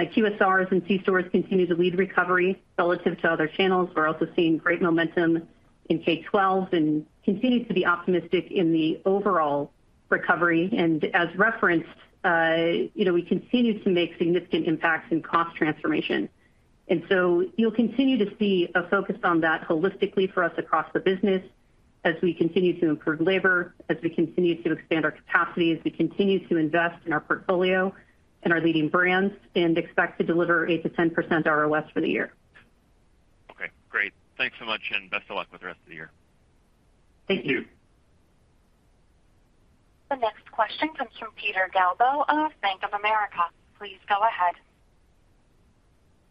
QSRs and C-stores continue to lead recovery relative to other channels. We're also seeing great momentum in K-12 and continue to be optimistic in the overall recovery. As referenced, you know, we continue to make significant impacts in cost transformation. You'll continue to see a focus on that holistically for us across the business as we continue to improve labor, as we continue to expand our capacity, as we continue to invest in our portfolio and our leading brands and expect to deliver 8%-10% ROS for the year. Okay. Great. Thanks so much and best of luck with the rest of the year. Thank you. The next question comes from Peter Galbo of Bank of America. Please go ahead.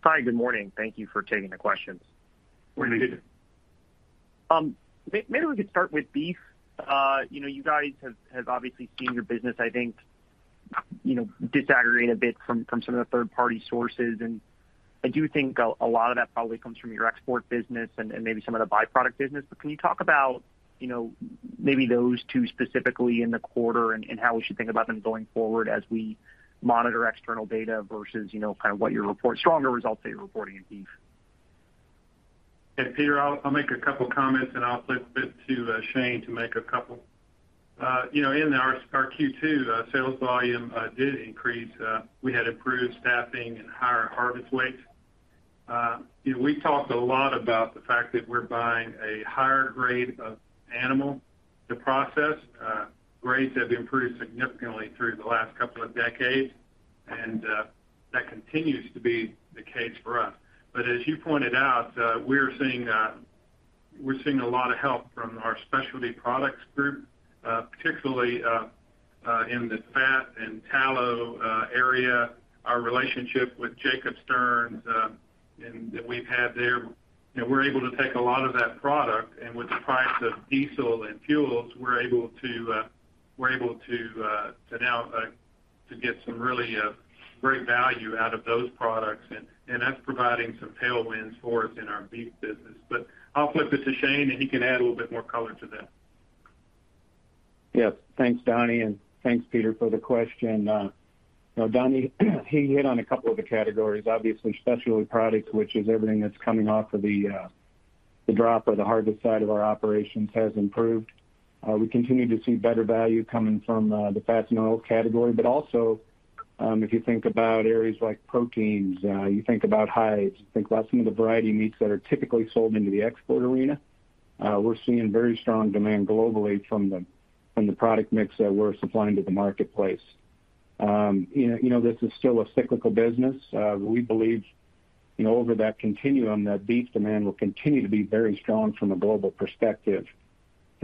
Hi, good morning. Thank you for taking the questions. Good morning. Maybe we could start with beef. You know, you guys have obviously seen your business, I think, you know, disaggregate a bit from some of the third party sources. I do think a lot of that probably comes from your export business and maybe some of the byproduct business. Can you talk about, you know, maybe those two specifically in the quarter and how we should think about them going forward as we monitor external data versus, you know, kind of what you're reporting, stronger results that you're reporting in beef? Yeah, Peter, I'll make a couple comments and I'll flip it to Shane to make a couple. You know, in our Q2 sales volume did increase. We had improved staffing and higher harvest weights. You know, we talked a lot about the fact that we're buying a higher grade of animal to process. Grades have improved significantly through the last couple of decades, and that continues to be the case for us. As you pointed out, we're seeing a lot of help from our specialty products group, particularly in the fat and tallow area. Our relationship with Jacob Stern & Sons, and that we've had there, you know, we're able to take a lot of that product and with the price of diesel and fuels, we're able to now get some really great value out of those products. That's providing some tailwinds for us in our beef business. I'll flip it to Shane and he can add a little bit more color to that. Yes. Thanks, Donnie and thanks Peter for the question. You know, Donnie, he hit on a couple of the categories. Obviously, specialty products, which is everything that's coming off of the drop or the harvest side of our operations has improved. We continue to see better value coming from the fats and oil category. But also, if you think about areas like proteins, you think about hides, you think about some of the variety meats that are typically sold into the export arena, we're seeing very strong demand globally from the product mix that we're supplying to the marketplace. You know, this is still a cyclical business. We believe, you know, over that continuum that beef demand will continue to be very strong from a global perspective.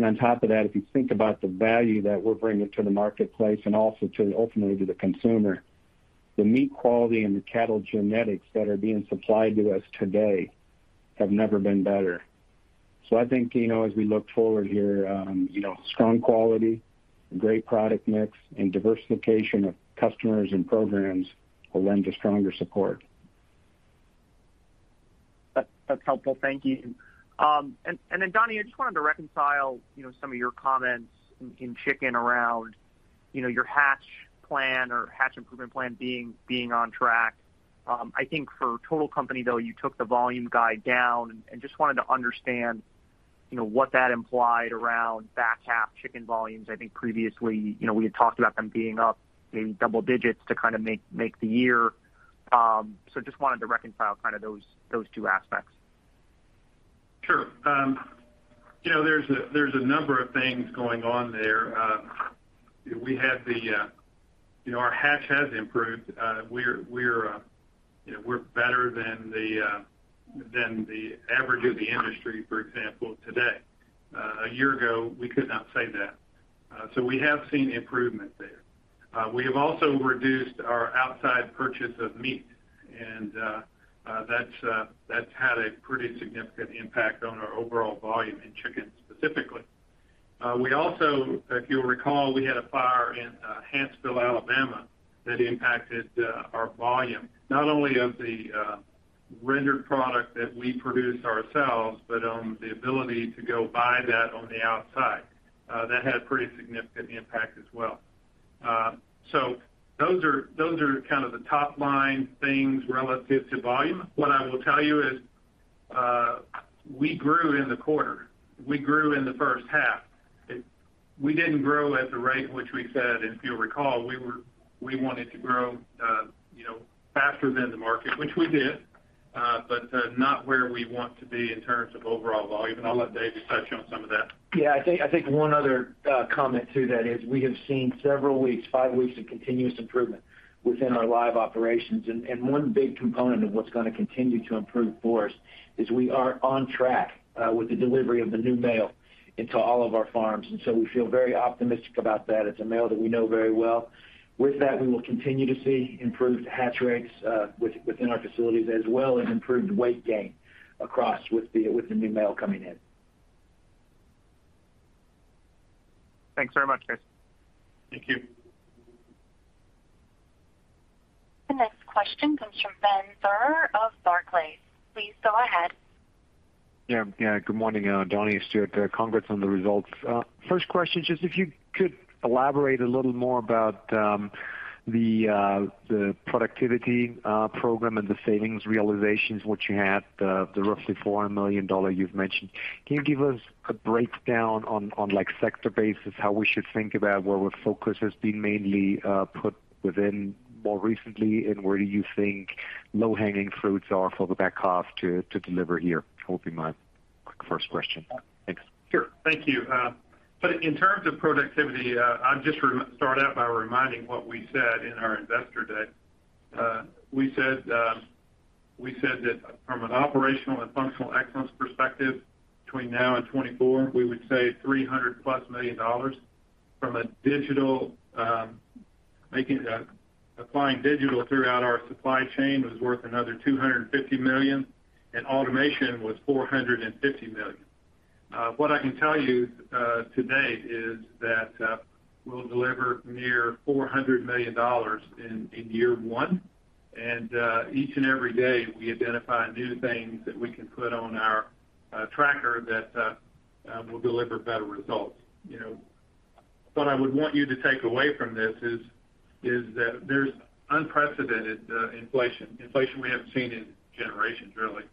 On top of that, if you think about the value that we're bringing to the marketplace and also to ultimately to the consumer, the meat quality and the cattle genetics that are being supplied to us today have never been better. I think, you know, as we look forward here, you know, strong quality, great product mix, and diversification of customers and programs will lend a stronger support. That's helpful. Thank you. Then Donnie, I just wanted to reconcile, you know, some of your comments in chicken around, you know, your hatch plan or hatch improvement plan being on track. I think for total company, though, you took the volume guide down, and just wanted to understand, you know, what that implied around back half chicken volumes. I think previously, you know, we had talked about them being up maybe double digits to kind of make the year. Just wanted to reconcile kind of those two aspects. Sure. You know, there's a number of things going on there. We had our hatch has improved. We're better than the average of the industry, for example, today. A year ago, we could not say that. We have seen improvement there. We have also reduced our outside purchase of meat, and that's had a pretty significant impact on our overall volume in chicken specifically. We also, if you'll recall, we had a fire in Hanceville, Alabama, that impacted our volume, not only of the rendered product that we produce ourselves, but the ability to go buy that on the outside. That had a pretty significant impact as well. Those are kind of the top-line things relative to volume. What I will tell you is, we grew in the quarter. We grew in the first half. We didn't grow at the rate which we said, if you'll recall, we wanted to grow, you know, faster than the market, which we did, but not where we want to be in terms of overall volume. I'll let David touch on some of that. I think one other comment to that is we have seen several weeks, five weeks of continuous improvement within our live operations. One big component of what's gonna continue to improve for us is we are on track with the delivery of the new male into all of our farms, and so we feel very optimistic about that. It's a male that we know very well. With that, we will continue to see improved hatch rates within our facilities, as well as improved weight gain across with the new male coming in. Thanks very much, guys. Thank you. The next question comes from Benjamin Theurer of Barclays. Please go ahead. Yeah. Yeah. Good morning, Donnie and Stewart. Congrats on the results. First question, just if you could elaborate a little more about the productivity program and the savings realizations which you had, the roughly $400 million you've mentioned. Can you give us a breakdown on like sector basis how we should think about where the focus has been mainly put within more recently, and where do you think low-hanging fruits are for the back half to deliver here? Which will be my quick first question. Thanks. Sure. Thank you. So in terms of productivity, I'll just start out by reminding what we said in our Investor Day. We said that from an operational and functional excellence perspective, between now and 2024, we would save $300+ million. From a digital, applying digital throughout our supply chain was worth another $250 million, and automation was $450 million. What I can tell you to date is that we'll deliver near $400 million in year one, and each and every day, we identify new things that we can put on our tracker that will deliver better results. You know, what I would want you to take away from this is that there's unprecedented inflation we haven't seen in generations, really.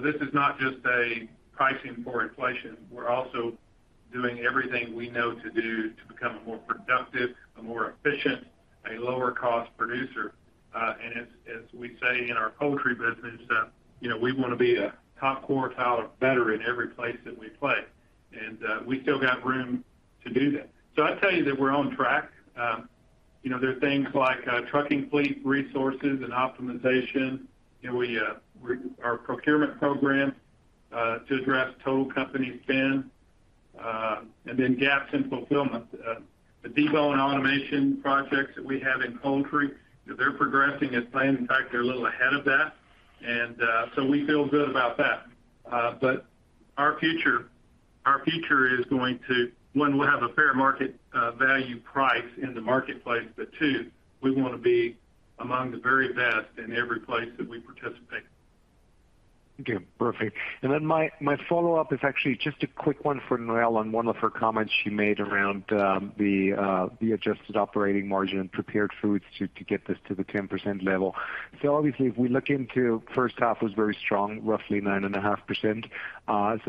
This is not just a pricing for inflation. We're also doing everything we know to do to become a more productive, a more efficient, a lower cost producer. As we say in our poultry business, you know, we wanna be a top quartile or better in every place that we play. We still got room to do that. I'd tell you that we're on track. You know, there are things like trucking fleet resources and optimization, you know, our procurement program to address total company spend, and then gaps in fulfillment. The deboning automation projects that we have in poultry, they're progressing as planned. In fact, they're a little ahead of that. We feel good about that. Our future is going to, one, we'll have a fair market value price in the marketplace, but two, we wanna be among the very best in every place that we participate. Okay. Perfect. My follow-up is actually just a quick one for Noelle on one of her comments she made around the adjusted operating margin in prepared foods to get this to the 10% level. Obviously, if we look at the first half was very strong, roughly 9.5%.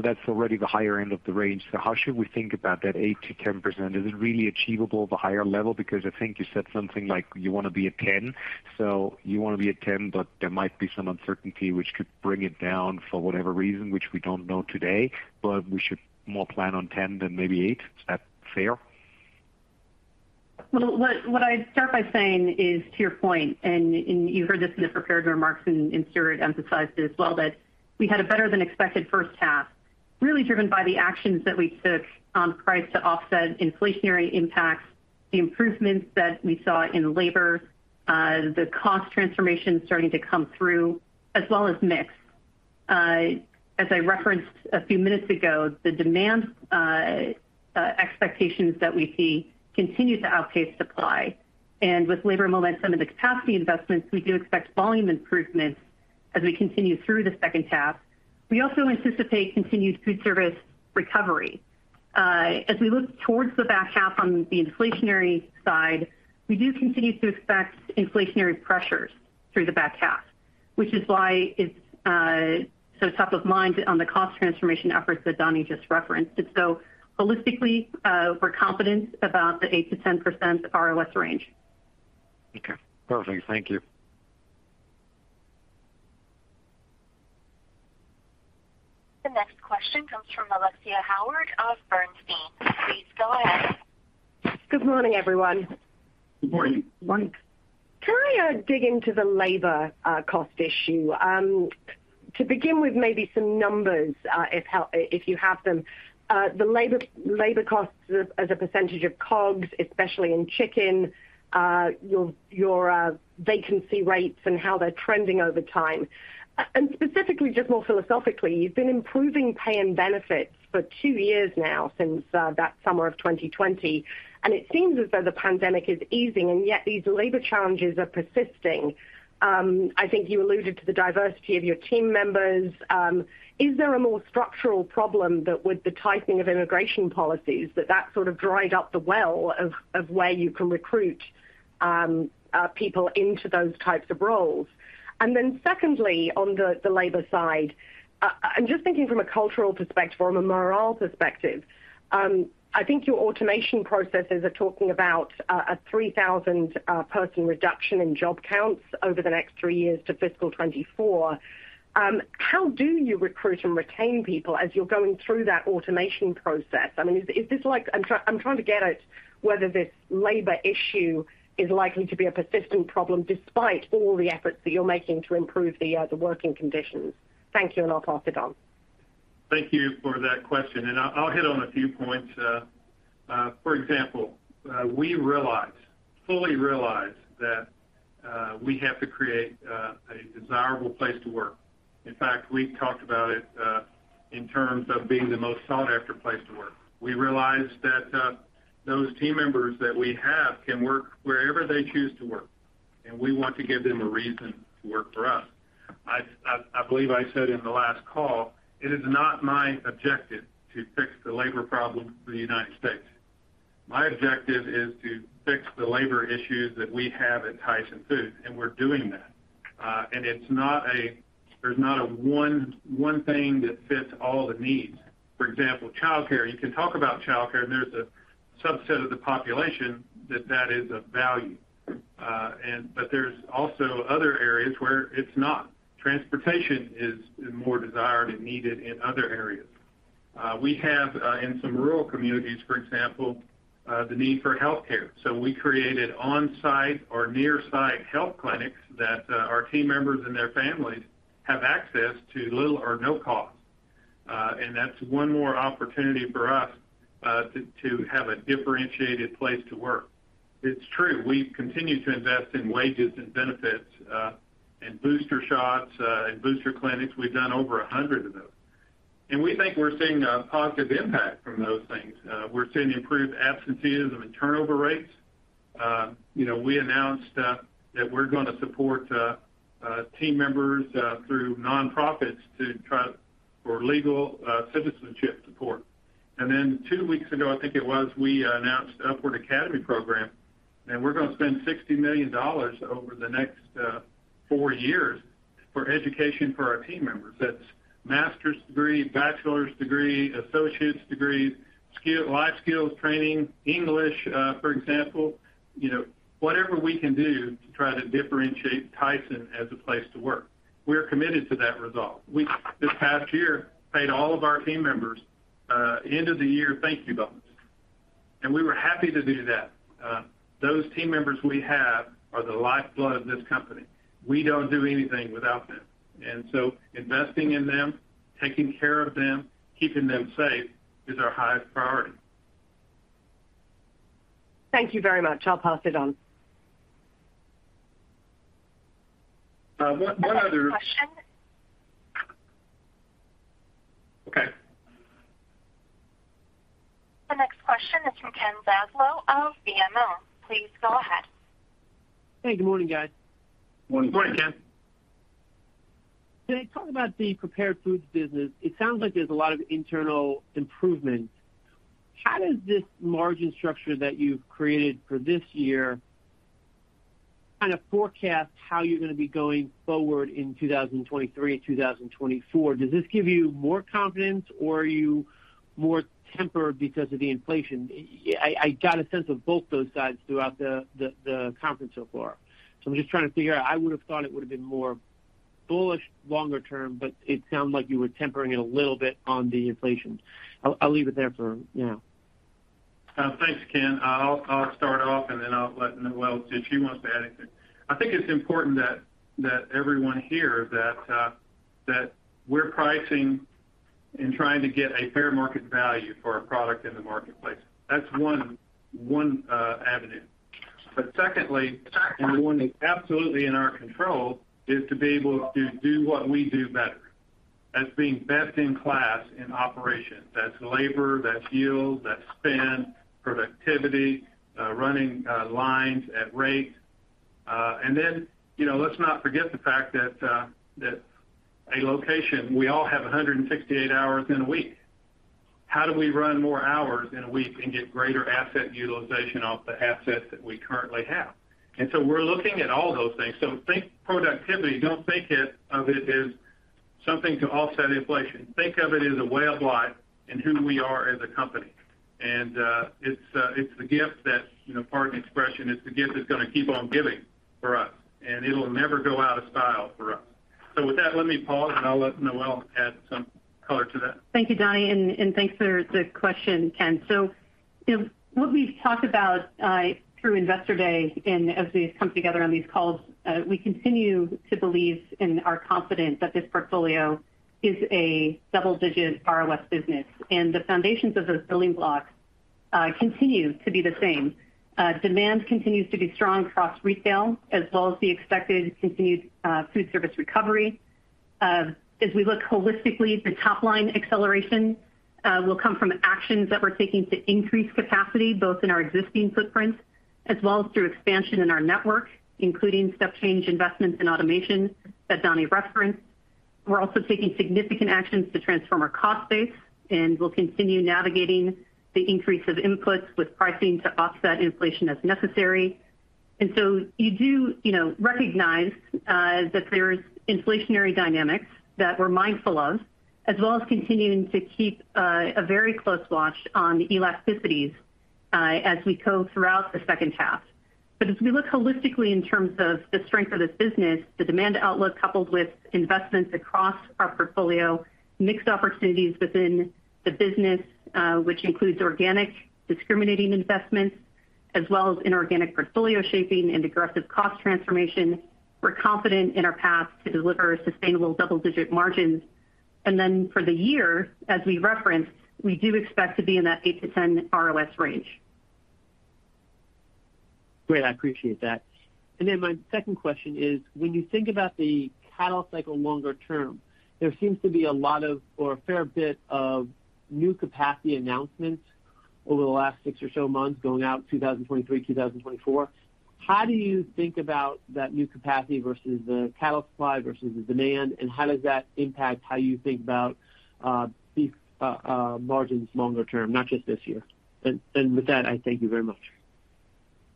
That's already the higher end of the range. How should we think about that 8%-10%? Is it really achievable at the higher level? Because I think you said something like you wanna be at 10. You wanna be at 10, but there might be some uncertainty which could bring it down for whatever reason, which we don't know today, but we should more plan on 10 than maybe 8. Is that fair? What I'd start by saying is to your point, and you heard this in the prepared remarks, and Stewart emphasized it as well, that we had a better than expected first half, really driven by the actions that we took on price to offset inflationary impacts, the improvements that we saw in labor, the cost transformation starting to come through as well as mix. As I referenced a few minutes ago, the demand expectations that we see continue to outpace supply. With labor momentum and the capacity investments, we do expect volume improvements as we continue through the second half. We also anticipate continued food service recovery. As we look towards the back half on the inflationary side, we do continue to expect inflationary pressures through the back half, which is why it's so top of mind on the cost transformation efforts that Donnie just referenced. Holistically, we're confident about the 8%-10% ROS range. Okay. Perfect. Thank you. The next question comes from Alexia Howard of Bernstein. Please go ahead. Good morning, everyone. Good morning. Morning. Can I dig into the labor cost issue? To begin with maybe some numbers, if you have them. The labor costs as a percentage of COGS, especially in chicken, your vacancy rates and how they're trending over time. Specifically, just more philosophically, you've been improving pay and benefits for two years now since that summer of 2020, and it seems as though the pandemic is easing, and yet these labor challenges are persisting. I think you alluded to the diversity of your team members. Is there a more structural problem with the tightening of immigration policies that sort of dried up the well of where you can recruit people into those types of roles? Secondly, on the labor side, and just thinking from a cultural perspective, from a morale perspective, I think your automation processes are talking about a 3,000 person reduction in job counts over the next three years to fiscal 2024. How do you recruit and retain people as you're going through that automation process? I mean, is this. I'm trying to get at whether this labor issue is likely to be a persistent problem despite all the efforts that you're making to improve the working conditions. Thank you, and I'll pass it on. Thank you for that question, and I'll hit on a few points. For example, we fully realize that we have to create a desirable place to work. In fact, we've talked about it in terms of being the most sought after place to work. We realize that those team members that we have can work wherever they choose to work, and we want to give them a reason to work for us. I believe I said in the last call, it is not my objective to fix the labor problem for the United States. My objective is to fix the labor issues that we have at Tyson Foods, and we're doing that. There's not a one thing that fits all the needs. For example, childcare. You can talk about childcare, and there's a subset of the population that is of value. But there's also other areas where it's not. Transportation is more desired and needed in other areas. We have in some rural communities, for example, the need for healthcare. So we created on-site or near-site health clinics that our team members and their families have access to little or no cost. And that's one more opportunity for us to have a differentiated place to work. It's true, we've continued to invest in wages and benefits, and booster shots, and booster clinics. We've done over 100 of those. We think we're seeing a positive impact from those things. We're seeing improved absenteeism and turnover rates. You know, we announced that we're gonna support team members through nonprofits to try for legal citizenship support. Then two weeks ago, I think it was, we announced Upward Academy program, and we're gonna spend $60 million over the next four years for education for our team members. That's master's degree, bachelor's degree, associate's degree, life skills training, English, for example, you know, whatever we can do to try to differentiate Tyson as a place to work. We're committed to that result. We, this past year, paid all of our team members end of the year thank you bonus, and we were happy to do that. Those team members we have are the lifeblood of this company. We don't do anything without them. Investing in them, taking care of them, keeping them safe is our highest priority. Thank you very much. I'll pass it on. One other The next question. Okay. The next question is from Ken Zaslow of BMO. Please go ahead. Hey, good morning, guys. Morning. Morning, Ken. Can I talk about the prepared foods business? It sounds like there's a lot of internal improvement. How does this margin structure that you've created for this year kind of forecast how you're gonna be going forward in 2023 and 2024? Does this give you more confidence or are you more tempered because of the inflation? I got a sense of both those sides throughout the conference so far. I'm just trying to figure out. I would have thought it would have been more bullish longer term, but it sounds like you were tempering it a little bit on the inflation. I'll leave it there for now. Thanks, Ken. I'll start off, and then I'll let Noelle, if she wants to add anything. I think it's important that everyone hear that we're pricing and trying to get a fair market value for our product in the marketplace. That's one avenue. But secondly, and one that's absolutely in our control is to be able to do what we do better. That's being best in class in operations. That's labor, that's yield, that's spend, productivity, running lines at rate. And then, you know, let's not forget the fact that a location, we all have 168 hours in a week. How do we run more hours in a week and get greater asset utilization off the assets that we currently have? We're looking at all those things. Think productivity, don't think of it as something to offset inflation. Think of it as a way of life and who we are as a company. It's the gift that, you know, pardon the expression, it's the gift that's gonna keep on giving for us, and it'll never go out of style for us. With that, let me pause, and I'll let Noelle add some color to that. Thank you, Donnie, and thanks for the question, Ken. You know, what we've talked about through Investor Day and as we've come together on these calls, we continue to believe and are confident that this portfolio is a double-digit ROS business. The foundations of those building blocks continue to be the same. Demand continues to be strong across retail as well as the expected continued food service recovery. As we look holistically, the top-line acceleration will come from actions that we're taking to increase capacity both in our existing footprint as well as through expansion in our network, including step change investments in automation that Donnie referenced. We're also taking significant actions to transform our cost base, and we'll continue navigating the increase of inputs with pricing to offset inflation as necessary. You do, you know, recognize that there's inflationary dynamics that we're mindful of, as well as continuing to keep a very close watch on the elasticities as we go throughout the second half. As we look holistically in terms of the strength of this business, the demand outlook coupled with investments across our portfolio, mix opportunities within the business, which includes organic discretionary investments as well as inorganic portfolio shaping and aggressive cost transformation, we're confident in our path to deliver sustainable double-digit margins. For the year, as we referenced, we do expect to be in that 8%-10% ROS range. Great. I appreciate that. Then my second question is, when you think about the cattle cycle longer term, there seems to be a lot of or a fair bit of new capacity announcements over the last six or so months going out 2023, 2024. How do you think about that new capacity versus the cattle supply versus the demand, and how does that impact how you think about beef margins longer term, not just this year? With that, I thank you very much.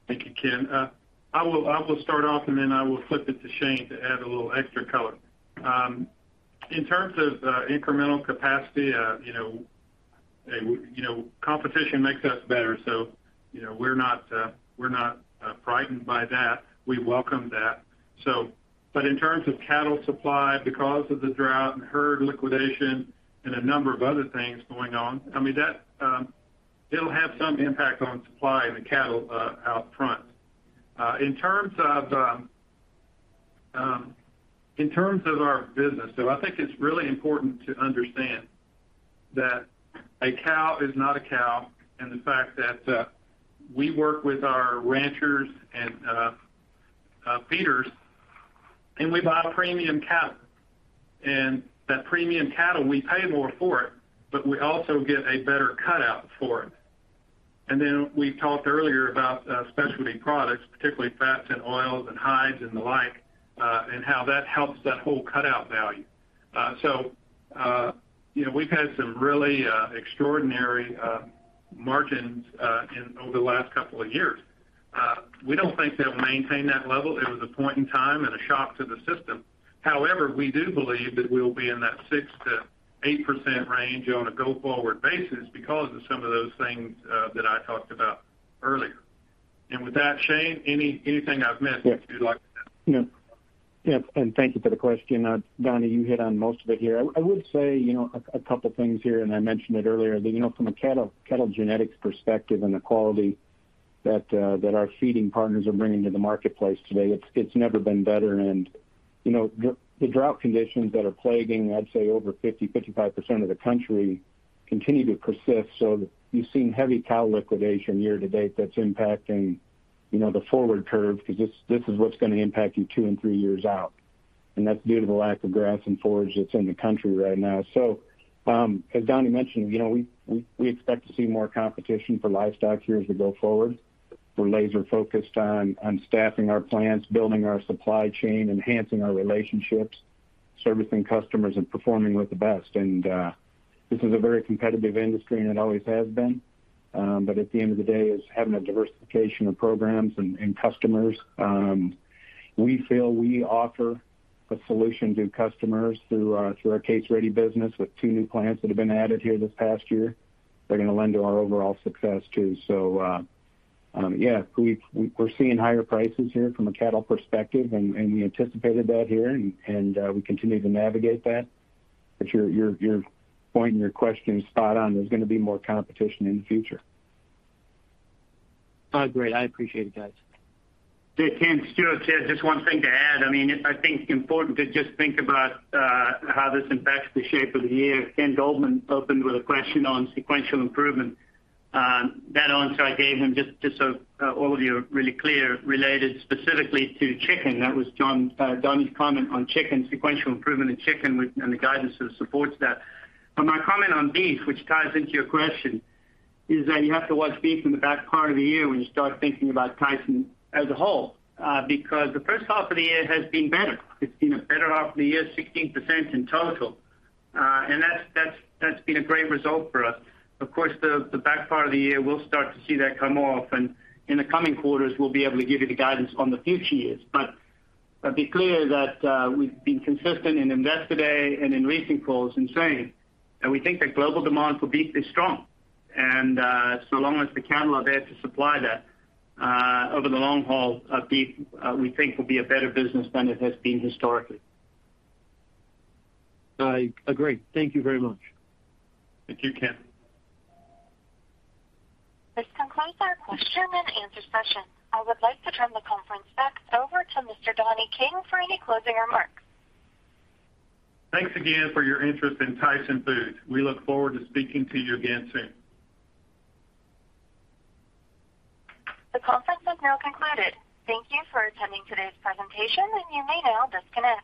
Thank you, Ken. I will start off, and then I will flip it to Shane to add a little extra color. In terms of incremental capacity, you know, competition makes us better, so you know, we're not frightened by that. We welcome that. In terms of cattle supply, because of the drought and herd liquidation and a number of other things going on, I mean, that it'll have some impact on supply and the cattle out front. In terms of our business, I think it's really important to understand that a cow is not a cow, and the fact that we work with our ranchers and feeders, and we buy premium cattle. That premium cattle, we pay more for it, but we also get a better cutout for it. Then we talked earlier about specialty products, particularly fats and oils and hides and the like, and how that helps that whole cutout value. So, you know, we've had some really extraordinary margins in over the last couple of years. We don't think they'll maintain that level. It was a point in time and a shock to the system. However, we do believe that we'll be in that 6%-8% range on a go-forward basis because of some of those things that I talked about earlier. With that, Shane, anything I've missed that you'd like to add? Yeah. Yeah. Thank you for the question. Donnie, you hit on most of it here. I would say, you know, a couple things here, and I mentioned it earlier, that, you know, from a cattle genetics perspective and the quality that our feeding partners are bringing to the marketplace today, it's never been better. You know, the drought conditions that are plaguing, I'd say, over 55% of the country continue to persist. You've seen heavy cow liquidation year to date that's impacting, you know, the forward curve 'cause this is what's gonna impact you two and three years out, and that's due to the lack of grass and forage that's in the country right now. As Donnie mentioned, you know, we expect to see more competition for livestock here as we go forward. We're laser focused on staffing our plants, building our supply chain, enhancing our relationships, servicing customers, and performing with the best. This is a very competitive industry, and it always has been. At the end of the day, it's having a diversification of programs and customers. We feel we offer a solution to customers through our case-ready business with two new plants that have been added here this past year. They're gonna lend to our overall success, too. We're seeing higher prices here from a cattle perspective, and we anticipated that here and we continue to navigate that. Your point and your question is spot on. There's gonna be more competition in the future. Oh, great. I appreciate it, guys. Yeah, Ken, Stewart here. Just one thing to add. I mean, I think it's important to just think about how this impacts the shape of the year. Ken Goldman opened with a question on sequential improvement. That answer I gave him, just so all of you are really clear, related specifically to chicken. That was Donnie's comment on chicken, sequential improvement in chicken and the guidance that supports that. But my comment on beef, which ties into your question, is that you have to watch beef in the back part of the year when you start thinking about Tyson as a whole, because the first half of the year has been better. It's been a better half of the year, 16% in total. And that's been a great result for us. Of course, the back part of the year, we'll start to see that come off, and in the coming quarters, we'll be able to give you the guidance on the future years. I'll be clear that we've been consistent in Investor Day and in recent calls in saying that we think that global demand for beef is strong. So long as the cattle are there to supply that, over the long haul, beef we think will be a better business than it has been historically. I agree. Thank you very much. Thank you, Ken. This concludes our question and answer session. I would like to turn the conference back over to Mr. Donnie King for any closing remarks. Thanks again for your interest in Tyson Foods. We look forward to speaking to you again soon. The conference is now concluded. Thank you for attending today's presentation, and you may now disconnect.